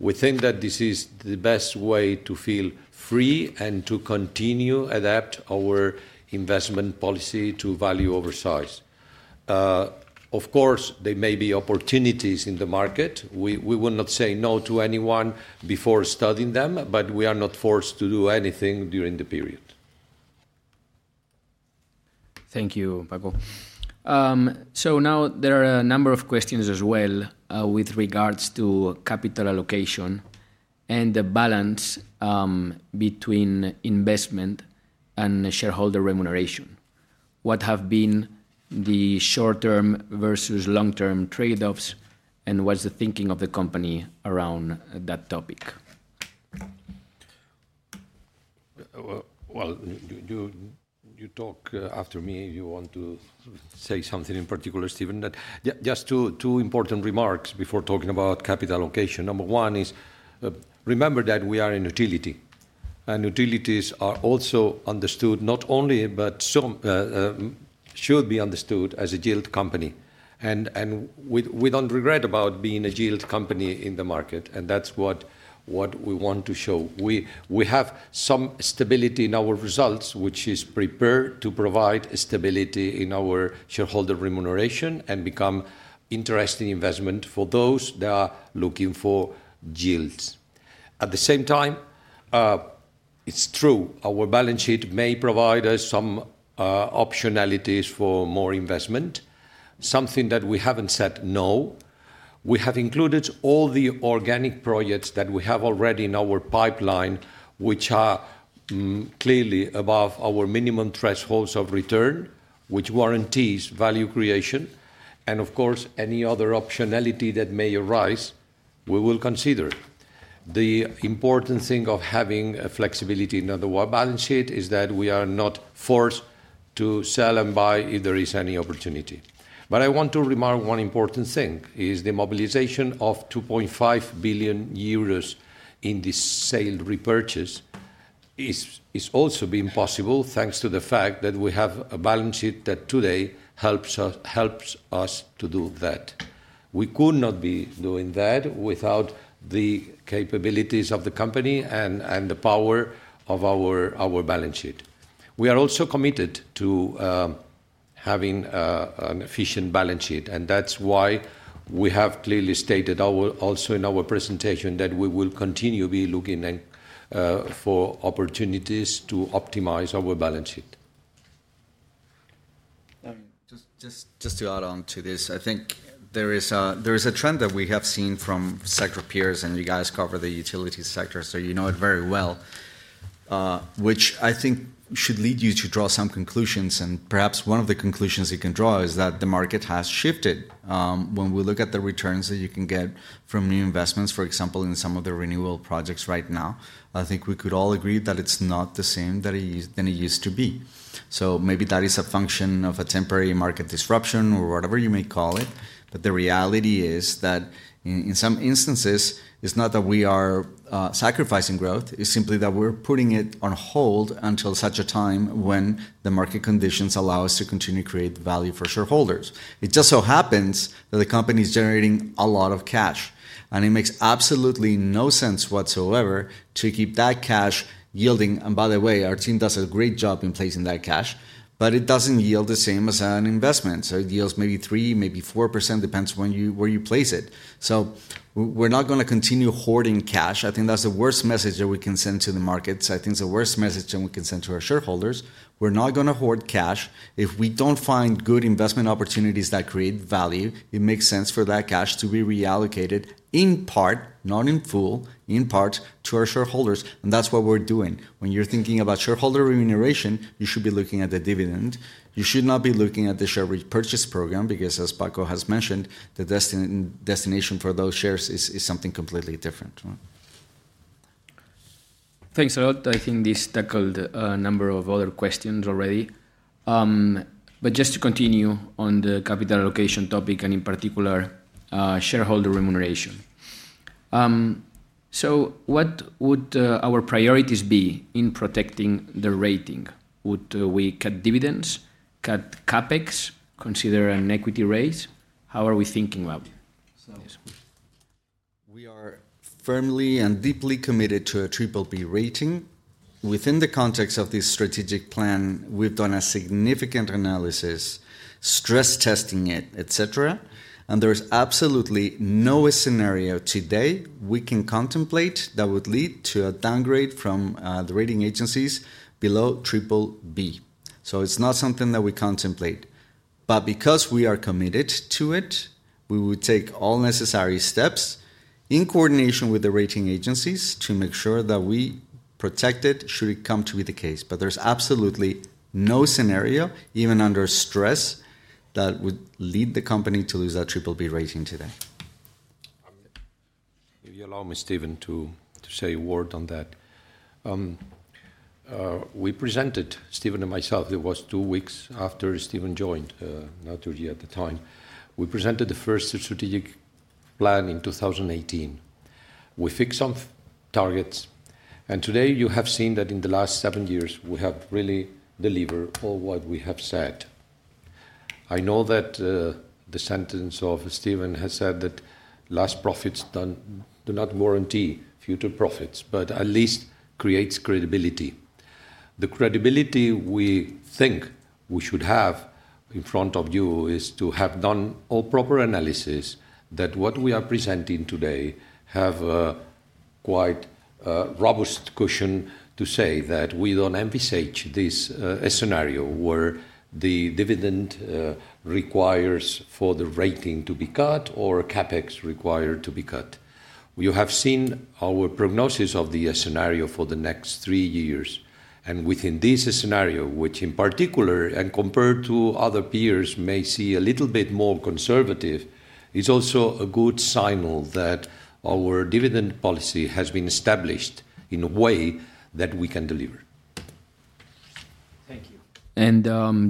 D: We think that this is the best way to feel free and to continue to adapt our investment policy to value oversize. Of course, there may be opportunities in the market. We will not say no to anyone before studying them, but we are not forced to do anything during the period.
A: Thank you, Paco. So now there are a number of questions as well with regards to capital allocation and the balance between investment and shareholder remuneration. What have been the short-term versus long-term trade-offs and what's the thinking of the company around that topic?
D: You talk after me if you want to say something in particular, Steven. That's just two important remarks before talking about capital allocation. Number one, remember that we are a utility, and utilities are also understood not only, but should be understood as a yield company. We don't regret about being a yield company in the market, and that's what we want to show. We have some stability in our results, which prepares to provide stability in our shareholder remuneration and become an interesting investment for those that are looking for yields. At the same time, it's true our balance sheet may provide us some optionalities for more investment, something that we haven't said no to. We have included all the organic projects that we have already in our pipeline, which are clearly above our minimum thresholds of return, which warrants value creation. Of course, any other optionality that may arise, we will consider. The important thing of having a flexibility in the balance sheet is that we are not forced to sell and buy if there is any opportunity. I want to remark one important thing is the mobilization of 2.5 billion euros in this sale repurchase is also being possible thanks to the fact that we have a balance sheet that today helps us to do that. We could not be doing that without the capabilities of the company and the power of our balance sheet. We are also committed to having an efficient balance sheet. That's why we have clearly stated also in our presentation that we will continue to be looking for opportunities to optimize our balance sheet.
B: Just to add on to this, I think there is a trend that we have seen from sector peers and you guys cover the utility sector, so you know it very well, which I think should lead you to draw some conclusions. And perhaps one of the conclusions you can draw is that the market has shifted. When we look at the returns that you can get from new investments, for example, in some of the renewable projects right now, I think we could all agree that it's not the same than it used to be. So maybe that is a function of a temporary market disruption or whatever you may call it. But the reality is that in some instances, it's not that we are sacrificing growth. It's simply that we're putting it on hold until such a time when the market conditions allow us to continue to create value for shareholders. It just so happens that the company is generating a lot of cash, and it makes absolutely no sense whatsoever to keep that cash yielding, and by the way, our team does a great job in placing that cash, but it doesn't yield the same as an investment, so it yields maybe 3%, maybe 4%, depends where you place it, so we're not going to continue hoarding cash. I think that's the worst message that we can send to the markets. I think it's the worst message that we can send to our shareholders. We're not going to hoard cash. If we don't find good investment opportunities that create value, it makes sense for that cash to be reallocated in part, not in full, in part to our shareholders. And that's what we're doing. When you're thinking about shareholder remuneration, you should be looking at the dividend. You should not be looking at the share repurchase program because, as Paco has mentioned, the destination for those shares is something completely different. Thanks a lot. I think this tackled a number of other questions already. But just to continue on the capital allocation topic and in particular shareholder remuneration. So what would our priorities be in protecting the rating? Would we cut dividends, cut CapEx, consider an equity raise? How are we thinking about it? We are firmly and deeply committed to a Triple-B rating. Within the context of this strategic plan, we've done a significant analysis, stress testing it, etc. And there is absolutely no scenario today we can contemplate that would lead to a downgrade from the rating agencies below Triple-B. So it's not something that we contemplate. But because we are committed to it, we would take all necessary steps in coordination with the rating agencies to make sure that we protect it should it come to be the case. But there's absolutely no scenario, even under stress, that would lead the company to lose that Triple-B rating today.
D: If you allow me, Steven, to say a word on that. We presented, Steven and myself, it was two weeks after Steven joined, not two years at the time. We presented the first strategic plan in 2018. We fixed some targets. And today, you have seen that in the last seven years, we have really delivered all what we have said. I know that the sentence of Steven has said that last profits do not guarantee future profits, but at least creates credibility. The credibility we think we should have in front of you is to have done all proper analysis that what we are presenting today have a quite robust cushion to say that we don't envisage this scenario where the dividend requires for the rating to be cut or CapEx required to be cut. You have seen our prognosis of the scenario for the next three years. And within this scenario, which in particular, and compared to other peers, may see a little bit more conservative, is also a good signal that our dividend policy has been established in a way that we can deliver.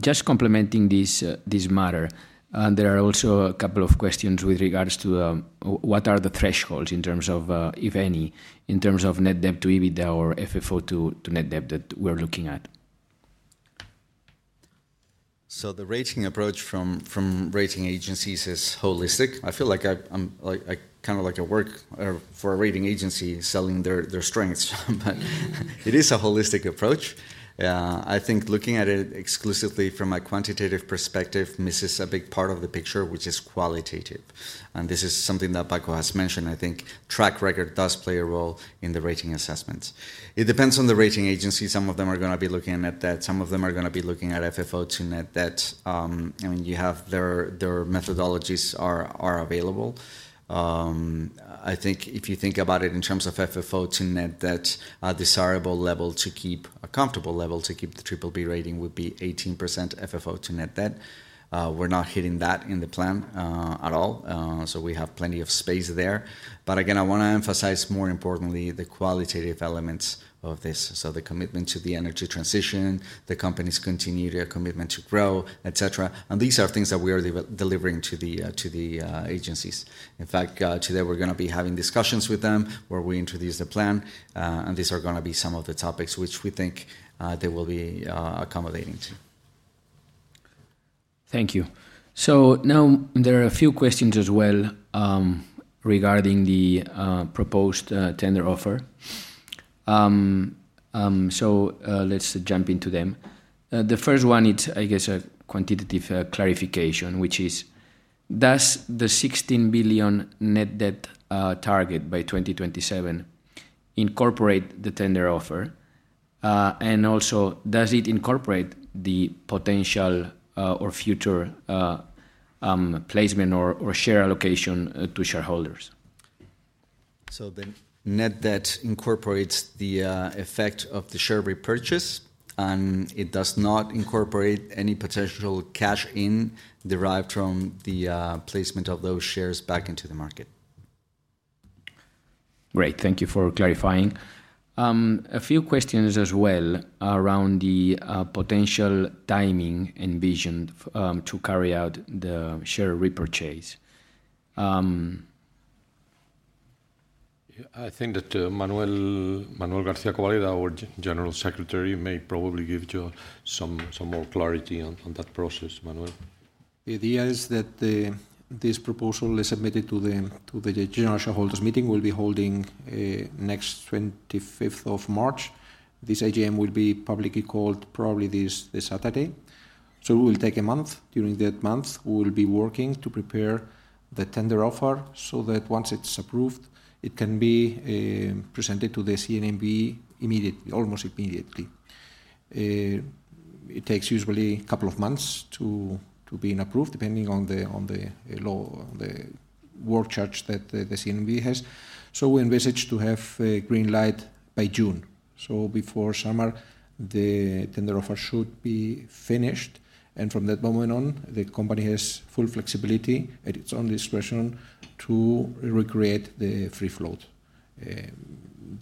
A: Just complementing this matter, there are also a couple of questions with regards to what are the thresholds in terms of, if any, in terms of net debt to EBITDA or FFO to net debt that we're looking at?
B: The rating approach from rating agencies is holistic. I feel like I'm kind of like I work for a rating agency selling their strengths. It is a holistic approach. I think looking at it exclusively from a quantitative perspective misses a big part of the picture, which is qualitative. This is something that Paco has mentioned. I think track record does play a role in the rating assessments. It depends on the rating agency. Some of them are going to be looking at that. Some of them are going to be looking at FFO to net debt. I mean, you have their methodologies are available. I think if you think about it in terms of FFO to net debt, a desirable level to keep, a comfortable level to keep the Triple-B rating would be 18% FFO to net debt. We're not hitting that in the plan at all. So we have plenty of space there. But again, I want to emphasize more importantly the qualitative elements of this. So the commitment to the energy transition, the company's continued commitment to grow, etc. And these are things that we are delivering to the agencies. In fact, today we're going to be having discussions with them where we introduce the plan. And these are going to be some of the topics which we think they will be accommodating to.
A: Thank you. So now there are a few questions as well regarding the proposed tender offer. So let's jump into them. The first one is, I guess, a quantitative clarification, which is, does the 16 billion net debt target by 2027 incorporate the tender offer? And also, does it incorporate the potential or future placement or share allocation to shareholders?
B: So the net debt incorporates the effect of the share repurchase, and it does not incorporate any potential cash inflow derived from the placement of those shares back into the market.
A: Great. Thank you for clarifying. A few questions as well around the potential timing envisioned to carry out the share repurchase.
D: I think that Manuel García Cobaleda, our General Secretary, may probably give you some more clarity on that process, Manuel.
E: The idea is that this proposal is submitted to the general shareholders meeting. We'll be holding next 25th of March. This AGM will be publicly called probably this Saturday. So it will take a month. During that month, we'll be working to prepare the tender offer so that once it's approved, it can be presented to the CNMC immediately, almost immediately. It takes usually a couple of months to be approved, depending on the work charge that the CNMC has. So we envisage to have a green light by June so before summer, the tender offer should be finished and from that moment on, the company has full flexibility at its own discretion to recreate the free float.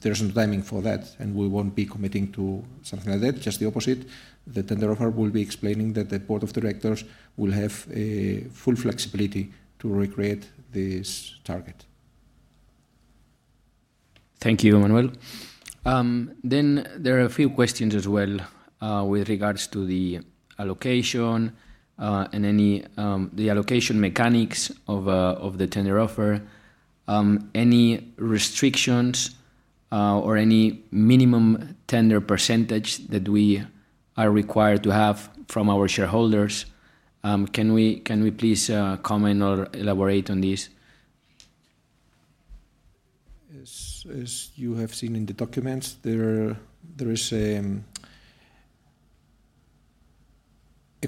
E: There's no timing for that, and we won't be committing to something like that. Just the opposite. The tender offer will be explaining that the board of directors will have full flexibility to recreate this target.
A: Thank you, Manuel then there are a few questions as well with regards to the allocation and the allocation mechanics of the tender offer. Any restrictions or any minimum tender percentage that we are required to have from our shareholders? Can we please comment or elaborate on this?
E: As you have seen in the documents, there is a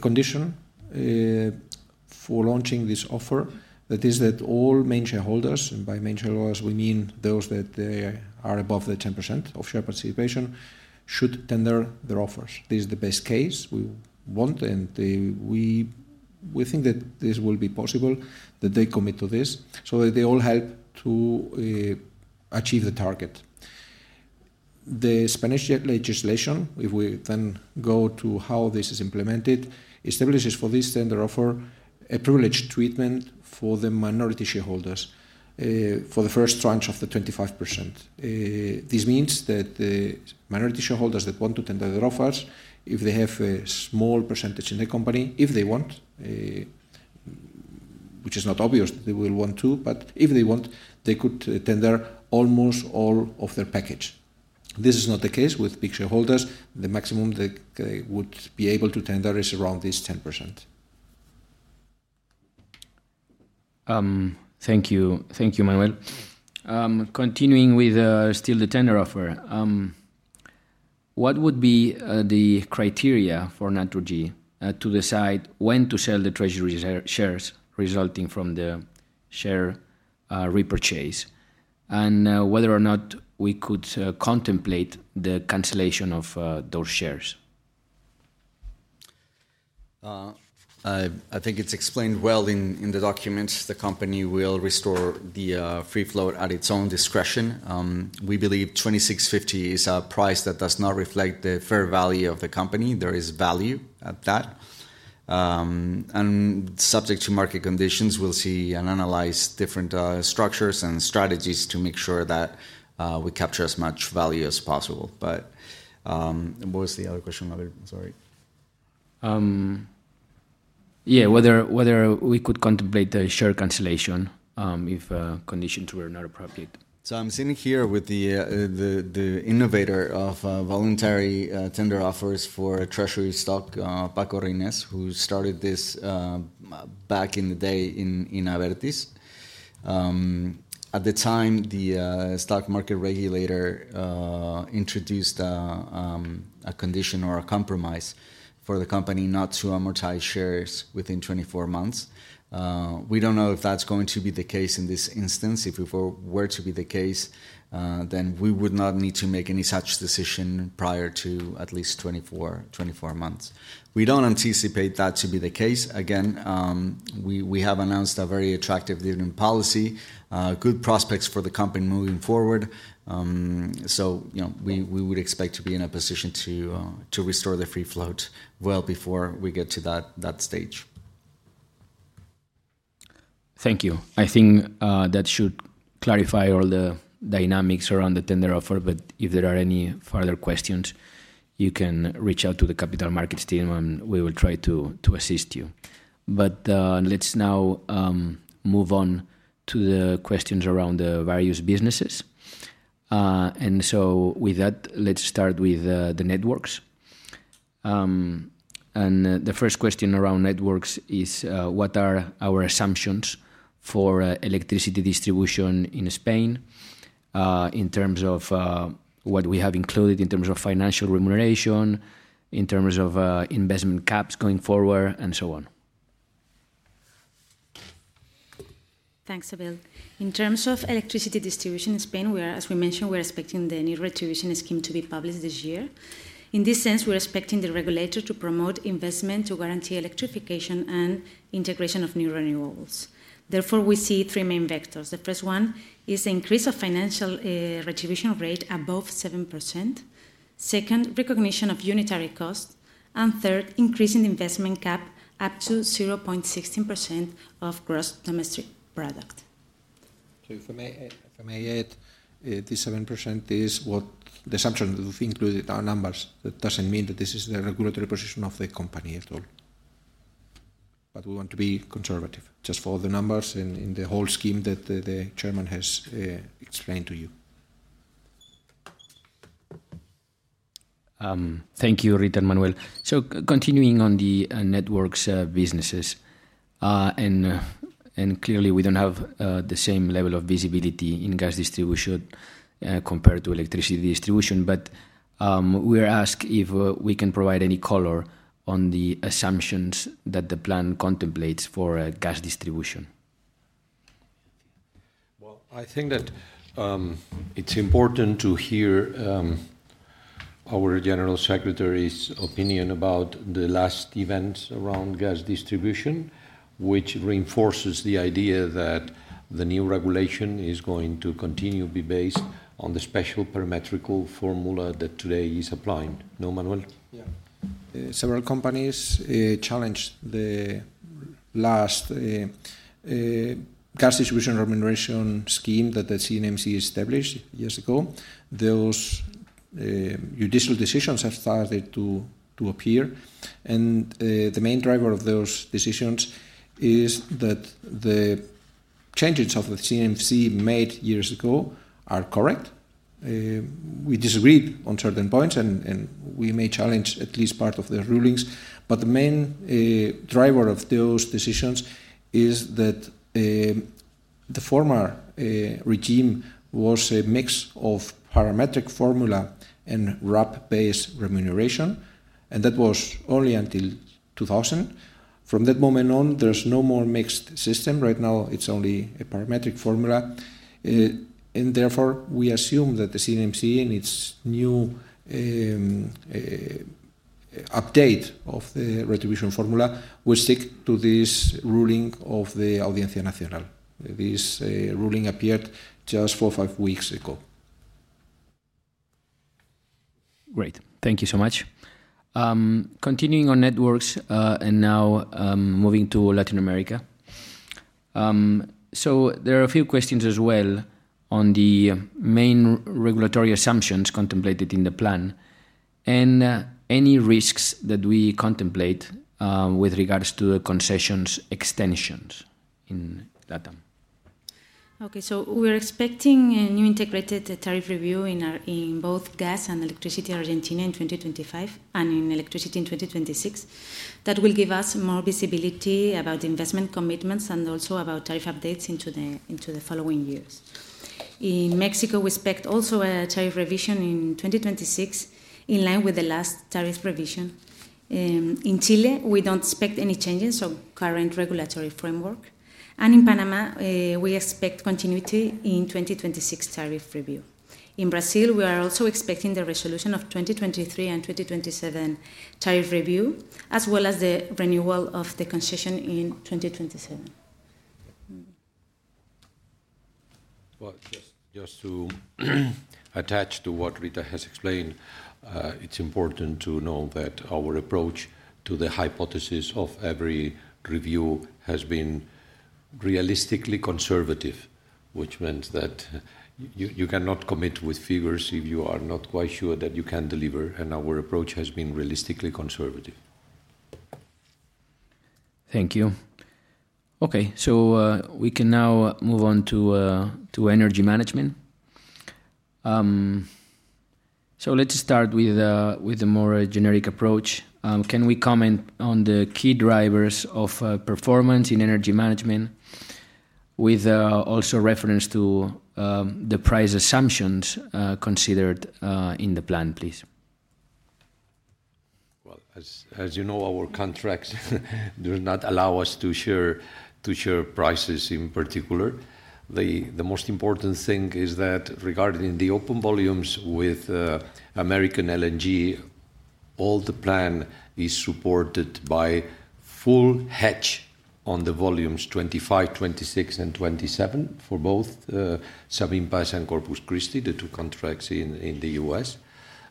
E: condition for launching this offer that is that all main shareholders, and by main shareholders, we mean those that are above the 10% of share participation, should tender their offers. This is the best case we want, and we think that this will be possible, that they commit to this so that they all help to achieve the target. The Spanish legislation, if we then go to how this is implemented, establishes for this tender offer a privileged treatment for the minority shareholders for the first tranche of the 25%. This means that the minority shareholders that want to tender their offers, if they have a small percentage in the company, if they want, which is not obvious that they will want to, but if they want, they could tender almost all of their package. This is not the case with big shareholders. The maximum they would be able to tender is around this 10%.
A: Thank you. Thank you, Manuel. Continuing with still the tender offer, what would be the criteria for Naturgy to decide when to sell the treasury shares resulting from the share repurchase and whether or not we could contemplate the cancellation of those shares?
E: I think it's explained well in the documents. The company will restore the free float at its own discretion. We believe 2650 is a price that does not reflect the fair value of the company. There is value at that. And subject to market conditions, we'll see and analyze different structures and strategies to make sure that we capture as much value as possible. But what was the other question, Manuel? Sorry. Yeah, whether we could contemplate the share cancellation if conditions were not appropriate. So I'm sitting here with the innovator of voluntary tender offers for treasury stock, Paco Reynés, who started this back in the day in Abertis. At the time, the stock market regulator introduced a condition or a compromise for the company not to amortize shares within 24 months. We don't know if that's going to be the case in this instance. If it were to be the case, then we would not need to make any such decision prior to at least 24 months. We don't anticipate that to be the case. Again, we have announced a very attractive dividend policy, good prospects for the company moving forward, so we would expect to be in a position to restore the free float well before we get to that stage.
A: Thank you. I think that should clarify all the dynamics around the tender offer, but if there are any further questions, you can reach out to the capital markets team, and we will try to assist you, but let's now move on to the questions around the various businesses, and so with that, let's start with the networks, and the first question around networks is, what are our assumptions for electricity distribution in Spain in terms of what we have included in terms of financial remuneration, in terms of investment caps going forward, and so on?
C: Thanks, Abel. In terms of electricity distribution in Spain, as we mentioned, we're expecting the new retribution scheme to be published this year. In this sense, we're expecting the regulator to promote investment to guarantee electrification and integration of new renewables. Therefore, we see three main vectors. The first one is the increase of financial retribution rate above 7%. Second, recognition of unitary costs. And third, increasing the investment cap up to 0.16% of gross domestic product.
E: If I may add, this 7% is the assumption that we've included in our numbers. It doesn't mean that this is the regulatory position of the company at all. But we want to be conservative just for the numbers and in the whole scheme that the chairman has explained to you.
A: Thank you, Rita and Manuel. Continuing on the networks businesses. Clearly, we don't have the same level of visibility in gas distribution compared to electricity distribution. We were asked if we can provide any color on the assumptions that the plan contemplates for gas distribution.
D: I think that it's important to hear our general secretary's opinion about the last events around gas distribution, which reinforces the idea that the new regulation is going to continue to be based on the special parametric formula that today is applying. No, Manuel?
E: Yeah. Several companies challenged the last gas distribution remuneration scheme that the CNMC established years ago. Those judicial decisions have started to appear. The main driver of those decisions is that the changes of the CNMC made years ago are correct. We disagreed on certain points, and we may challenge at least part of the rulings. But the main driver of those decisions is that the former regime was a mix of parametric formula and RAP-based remuneration. And that was only until 2000. From that moment on, there's no more mixed system. Right now, it's only a parametric formula. And therefore, we assume that the CNMC and its new update of the retribution formula will stick to this ruling of the Audiencia Nacional. This ruling appeared just four or five weeks ago.
A: Great. Thank you so much. Continuing on networks and now moving to Latin America. So there are a few questions as well on the main regulatory assumptions contemplated in the plan and any risks that we contemplate with regards to the concessions extensions in LATAM.
C: Okay. So we're expecting a new integrated tariff review in both gas and electricity in Argentina in 2025 and in electricity in 2026. That will give us more visibility about investment commitments and also about tariff updates into the following years. In Mexico, we expect also a tariff revision in 2026 in line with the last tariff revision. In Chile, we don't expect any changes of current regulatory framework. In Panama, we expect continuity in 2026 tariff review. In Brazil, we are also expecting the resolution of 2023 and 2027 tariff review, as well as the renewal of the concession in 2027.
D: Just to attach to what Rita has explained, it's important to know that our approach to the hypothesis of every review has been realistically conservative, which means that you cannot commit with figures if you are not quite sure that you can deliver. Our approach has been realistically conservative.
A: Thank you. Okay. We can now move on to energy management. Let's start with a more generic approach. Can we comment on the key drivers of performance in energy management with also reference to the price assumptions considered in the plan, please?
D: Well, as you know, our contracts do not allow us to share prices in particular. The most important thing is that regarding the open volumes with American LNG, all the plan is supported by full hedge on the volumes 2025, 2026, and 2027 for both Sabine Pass and Corpus Christi, the two contracts in the U.S.,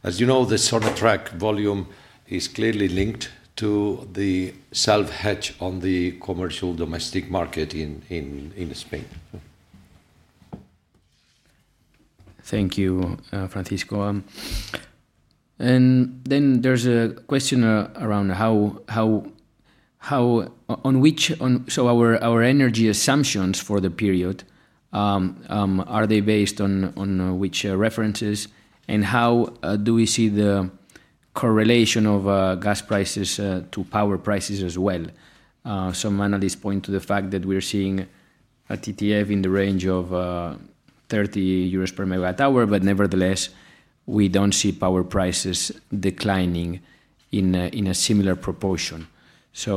D: as you know, the Sonatrach volume is clearly linked to the self-hedge on the commercial domestic market in Spain.
A: Thank you, Francisco. Then there's a question around how our energy assumptions for the period are they based on which references? And how do we see the correlation of gas prices to power prices as well? Some analysts point to the fact that we're seeing a TTF in the range of 30 euros per MW hour, but nevertheless, we don't see power prices declining in a similar proportion. So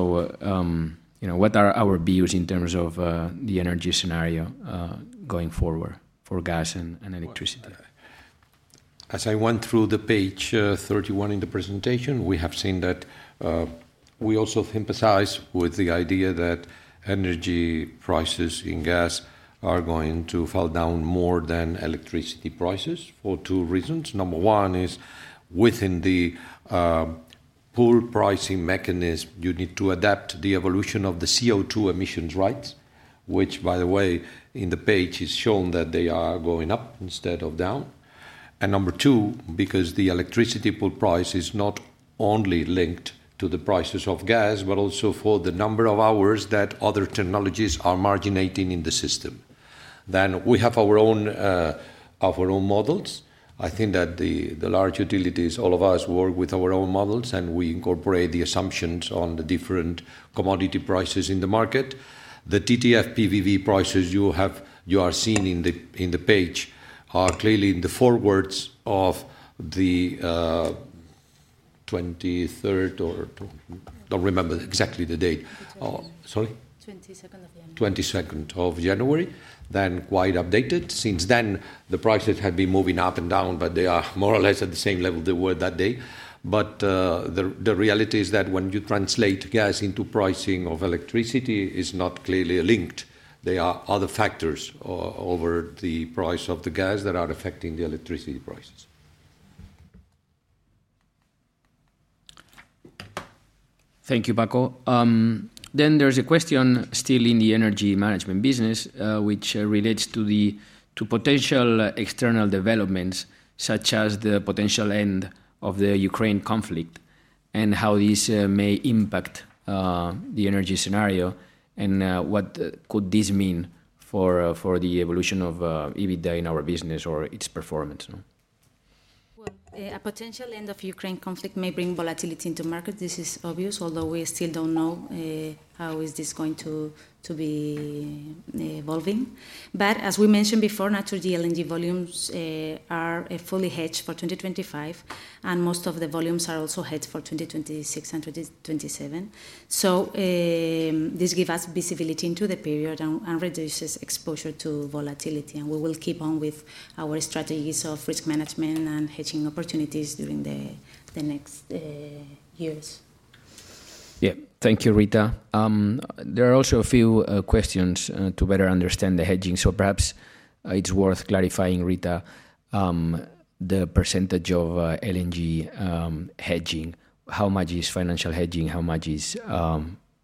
A: what are our views in terms of the energy scenario going forward for gas and electricity?
D: As I went through the page 31 in the presentation, we have seen that we also emphasize with the idea that energy prices in gas are going to fall down more than electricity prices for two reasons. Number one is within the pool pricing mechanism, you need to adapt the evolution of the CO2 emissions rights, which, by the way, in the page is shown that they are going up instead of down. Number two, because the electricity pool price is not only linked to the prices of gas, but also to the number of hours that other technologies are marginal in the system. Then we have our own models. I think that the large utilities, all of us, work with our own models, and we incorporate the assumptions on the different commodity prices in the market. The TTF PVV prices you are seeing in the page are clearly in the forwards of the 23rd or I don't remember exactly the date. Sorry?
C: 22nd of January.
D: 22nd of January. Then quite updated. Since then, the prices have been moving up and down, but they are more or less at the same level they were that day. But the reality is that when you translate gas into pricing of electricity, it's not clearly linked. There are other factors over the price of the gas that are affecting the electricity prices.
A: Thank you, Paco, then there's a question still in the energy management business, which relates to potential external developments such as the potential end of the Ukraine conflict and how this may impact the energy scenario, and what could this mean for the evolution of EBITDA in our business or its performance?
C: A potential end of the Ukraine conflict may bring volatility into markets. This is obvious, although we still don't know how is this going to be evolving, but as we mentioned before, naturally, LNG volumes are fully hedged for 2025, and most of the volumes are also hedged for 2026 and 2027, so this gives us visibility into the period and reduces exposure to volatility. We will keep on with our strategies of risk management and hedging opportunities during the next years.
A: Yeah. Thank you, Rita. There are also a few questions to better understand the hedging. Perhaps it's worth clarifying, Rita, the percentage of LNG hedging. How much is financial hedging? How much is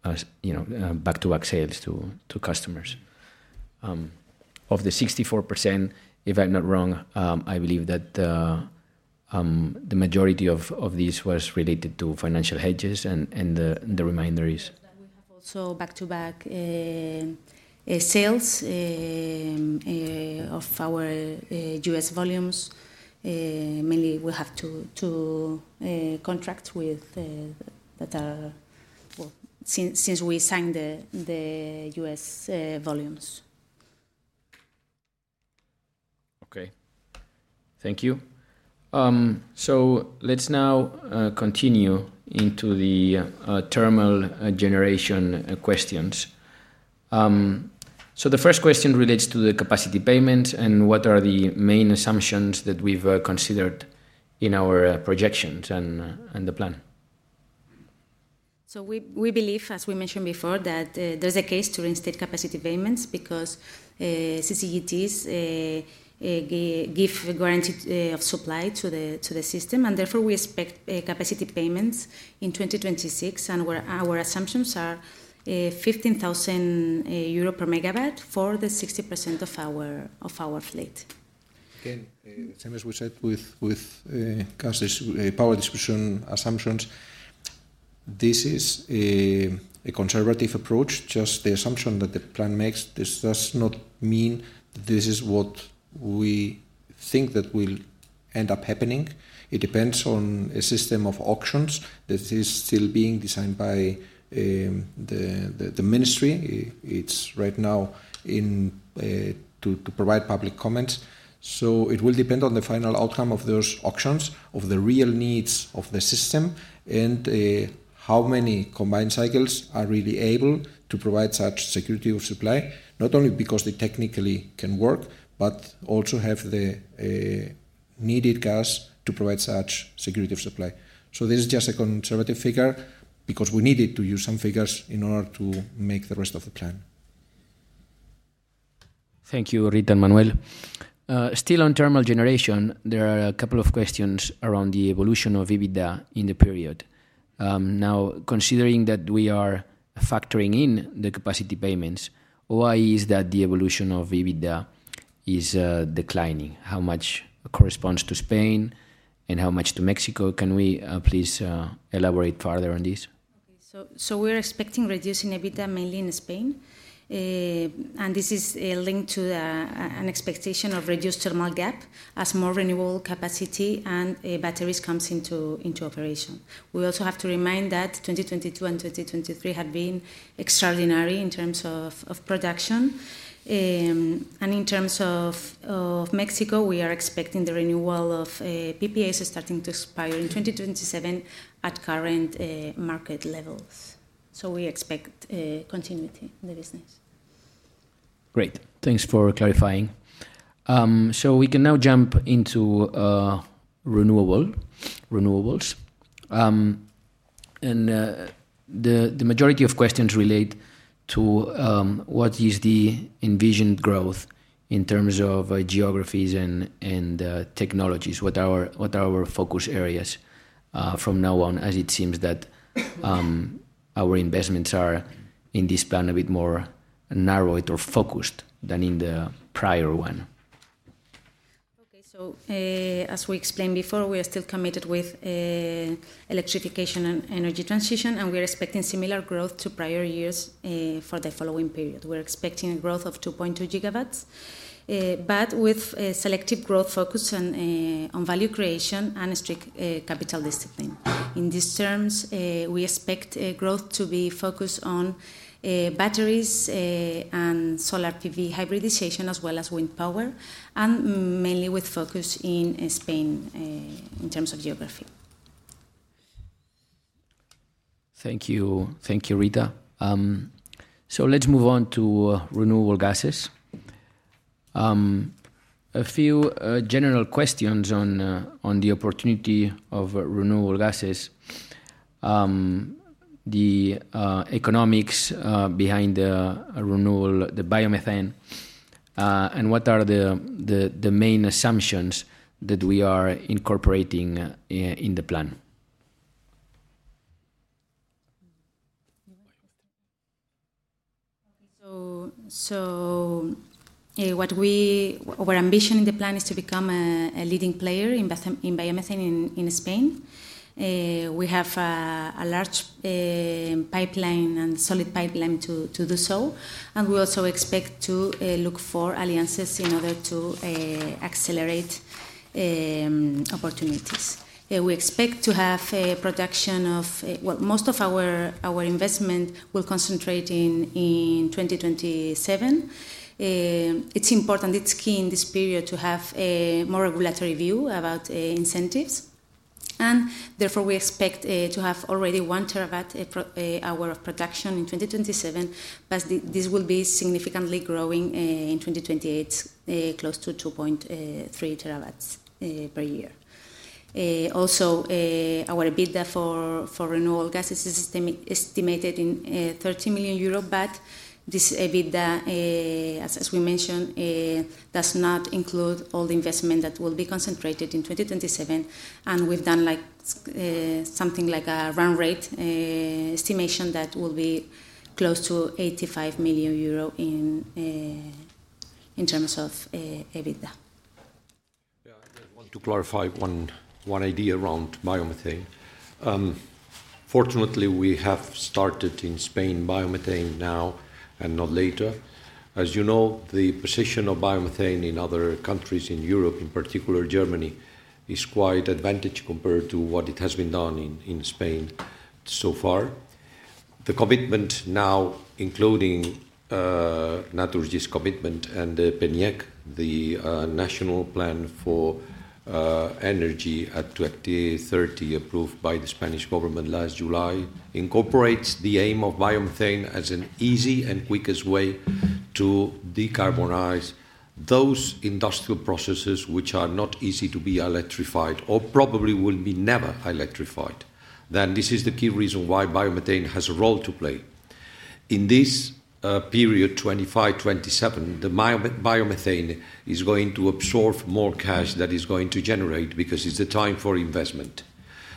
A: back-to-back sales to customers? Of the 64%, if I'm not wrong, I believe that the majority of these was related to financial hedges. And the remain there is.
C: We have also back-to-back sales of our U.S. volumes. Mainly, we have two contracts that are since we signed the U.S. volumes.
A: Okay. Thank you. Let's now continue into the thermal generation questions. The first question relates to the capacity payments and what are the main assumptions that we've considered in our projections and the plan?
C: We believe, as we mentioned before, that there's a case to reinstate capacity payments because CCGTs give guarantee of supply to the system. Therefore, we expect capacity payments in 2026. Our assumptions are 15,000 euro per MW for the 60% of our fleet.
E: Again, same as we said with gas power distribution assumptions. This is a conservative approach. Just the assumption that the plan makes. This does not mean that this is what we think that will end up happening. It depends on a system of auctions that is still being designed by the ministry. It's right now to provide public comments. So it will depend on the final outcome of those auctions, of the real needs of the system, and how many combined cycles are really able to provide such security of supply, not only because they technically can work, but also have the needed gas to provide such security of supply. So this is just a conservative figure because we needed to use some figures in order to make the rest of the plan.
A: Thank you, Rita and Manuel. Still on thermal generation, there are a couple of questions around the evolution of EBITDA in the period. Now, considering that we are factoring in the capacity payments, why is that the evolution of EBITDA is declining? How much corresponds to Spain and how much to Mexico? Can we please elaborate further on this?
C: Okay. So we're expecting reducing EBITDA mainly in Spain. This is linked to an expectation of reduced thermal gap as more renewable capacity and batteries come into operation. We also have to remind that 2022 and 2023 have been extraordinary in terms of production. In terms of Mexico, we are expecting the renewal of PPAs starting to expire in 2027 at current market levels. We expect continuity in the business.
A: Great. Thanks for clarifying. We can now jump into renewables. The majority of questions relate to what is the envisioned growth in terms of geographies and technologies? What are our focus areas from now on as it seems that our investments are in this plan a bit more narrowed or focused than in the prior one?
C: Okay. As we explained before, we are still committed with electrification and energy transition, and we are expecting similar growth to prior years for the following period. We're expecting a growth of 2.2 GW, but with selective growth focus on value creation and strict capital discipline. In these terms, we expect growth to be focused on batteries and solar PV hybridization as well as wind power, and mainly with focus in Spain in terms of geography.
A: Thank you. Thank you, Rita. So let's move on to renewable gases. A few general questions on the opportunity of renewable gases, the economics behind the renewable, the biomethane, and what are the main assumptions that we are incorporating in the plan?
C: Okay. So our ambition in the plan is to become a leading player in biomethane in Spain. We have a large pipeline and solid pipeline to do so. And we also expect to look for alliances in order to accelerate opportunities. We expect to have a production of well, most of our investment will concentrate in 2027. It's important. It's key in this period to have a more regulatory view about incentives. And therefore, we expect to have already one terawatt hour of production in 2027, but this will be significantly growing in 2028, close to 2.3 TW per year. Also, our EBITDA for renewable gas is estimated in 30 million euro, but this EBITDA, as we mentioned, does not include all the investment that will be concentrated in 2027. And we've done something like a round rate estimation that will be close to 85 million euro in terms of EBITDA.
D: Yeah. I want to clarify one idea around biomethane. Fortunately, we have started in Spain biomethane now and not later. As you know, the position of biomethane in other countries in Europe, in particular Germany, is quite advantageous compared to what it has been done in Spain so far. The commitment now, including Naturgy's commitment and PNIEC, the National Integrated Energy and Climate Plan 2030 approved by the Spanish government last July, incorporates the aim of biomethane as an easy and quickest way to decarbonize those industrial processes which are not easy to be electrified or probably will be never electrified. Then this is the key reason why biomethane has a role to play. In this period, 2025-2027, the biomethane is going to absorb more cash that is going to generate because it's the time for investment.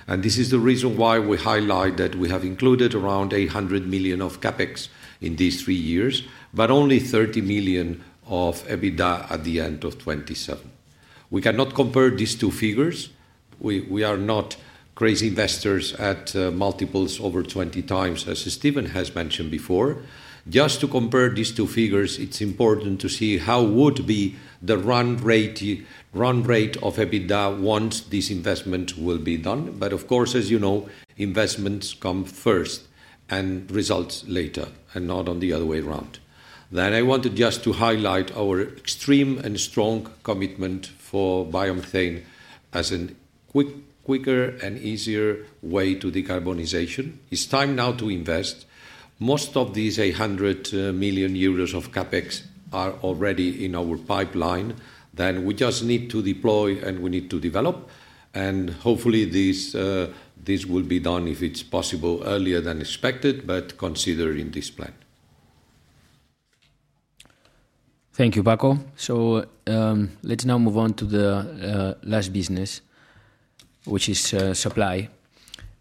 D: And this is the reason why we highlight that we have included around 800 million of CapEx in these three years, but only 30 million of EBITDA at the end of 2027. We cannot compare these two figures. We are not crazy investors at multiples over 20 times, as Steven has mentioned before. Just to compare these two figures, it's important to see how would be the run rate of EBITDA once these investments will be done. But of course, as you know, investments come first and results later, and not on the other way around. Then I wanted just to highlight our extreme and strong commitment for biomethane as a quicker and easier way to decarbonization. It's time now to invest. Most of these 800 million euros of CapEx are already in our pipeline. Then we just need to deploy and we need to develop. And hopefully, this will be done, if it's possible, earlier than expected, but considering this plan.
A: Thank you, Paco. So let's now move on to the last business, which is supply.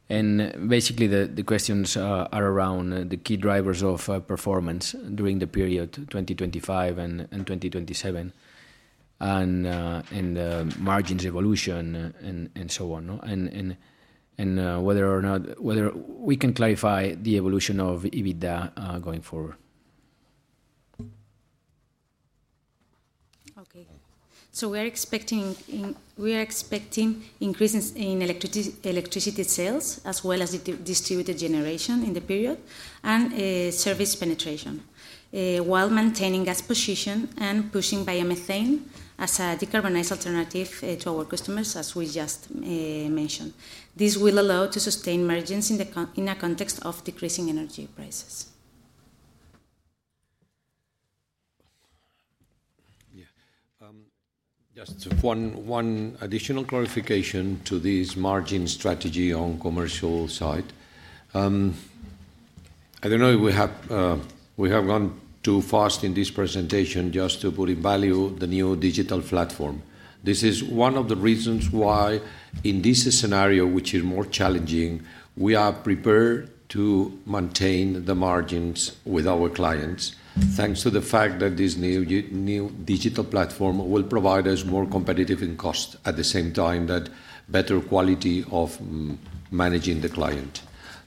A: Basically, the questions are around the key drivers of performance during the period 2025 and 2027 and margins evolution and so on, and whether we can clarify the evolution of EBITDA going forward.
C: Okay. We are expecting increases in electricity sales as well as distributed generation in the period and service penetration while maintaining gas position and pushing biomethane as a decarbonized alternative to our customers, as we just mentioned. This will allow to sustain margins in a context of decreasing energy prices.
D: Yeah. Just one additional clarification to this margin strategy on the commercial side. I don't know if we have gone too fast in this presentation just to put in value the new digital platform. This is one of the reasons why in this scenario, which is more challenging, we are prepared to maintain the margins with our clients, thanks to the fact that this new digital platform will provide us more competitive in cost at the same time that better quality of managing the client.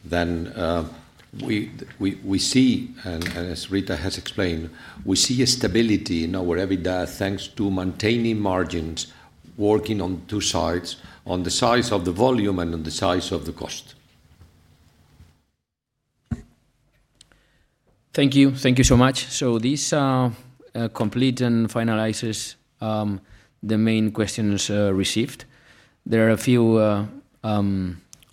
D: Then we see, and as Rita has explained, we see a stability in our EBITDA thanks to maintaining margins working on two sides, on the size of the volume and on the size of the cost.
A: Thank you. Thank you so much. This completes and finalizes the main questions received. There are a few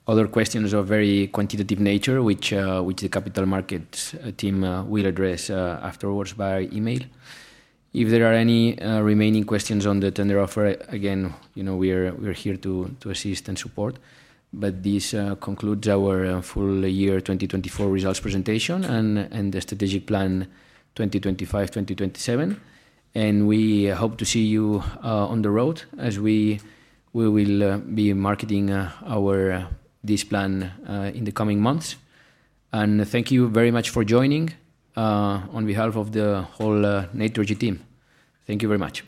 A: other questions of very quantitative nature, which the capital markets team will address afterwards by email. If there are any remaining questions on the tender offer, again, we are here to assist and support. But this concludes our full year 2024 results presentation and the strategic plan 2025-2027. And we hope to see you on the road as we will be marketing this plan in the coming months. And thank you very much for joining on behalf of the whole Naturgy's team. Thank you very much.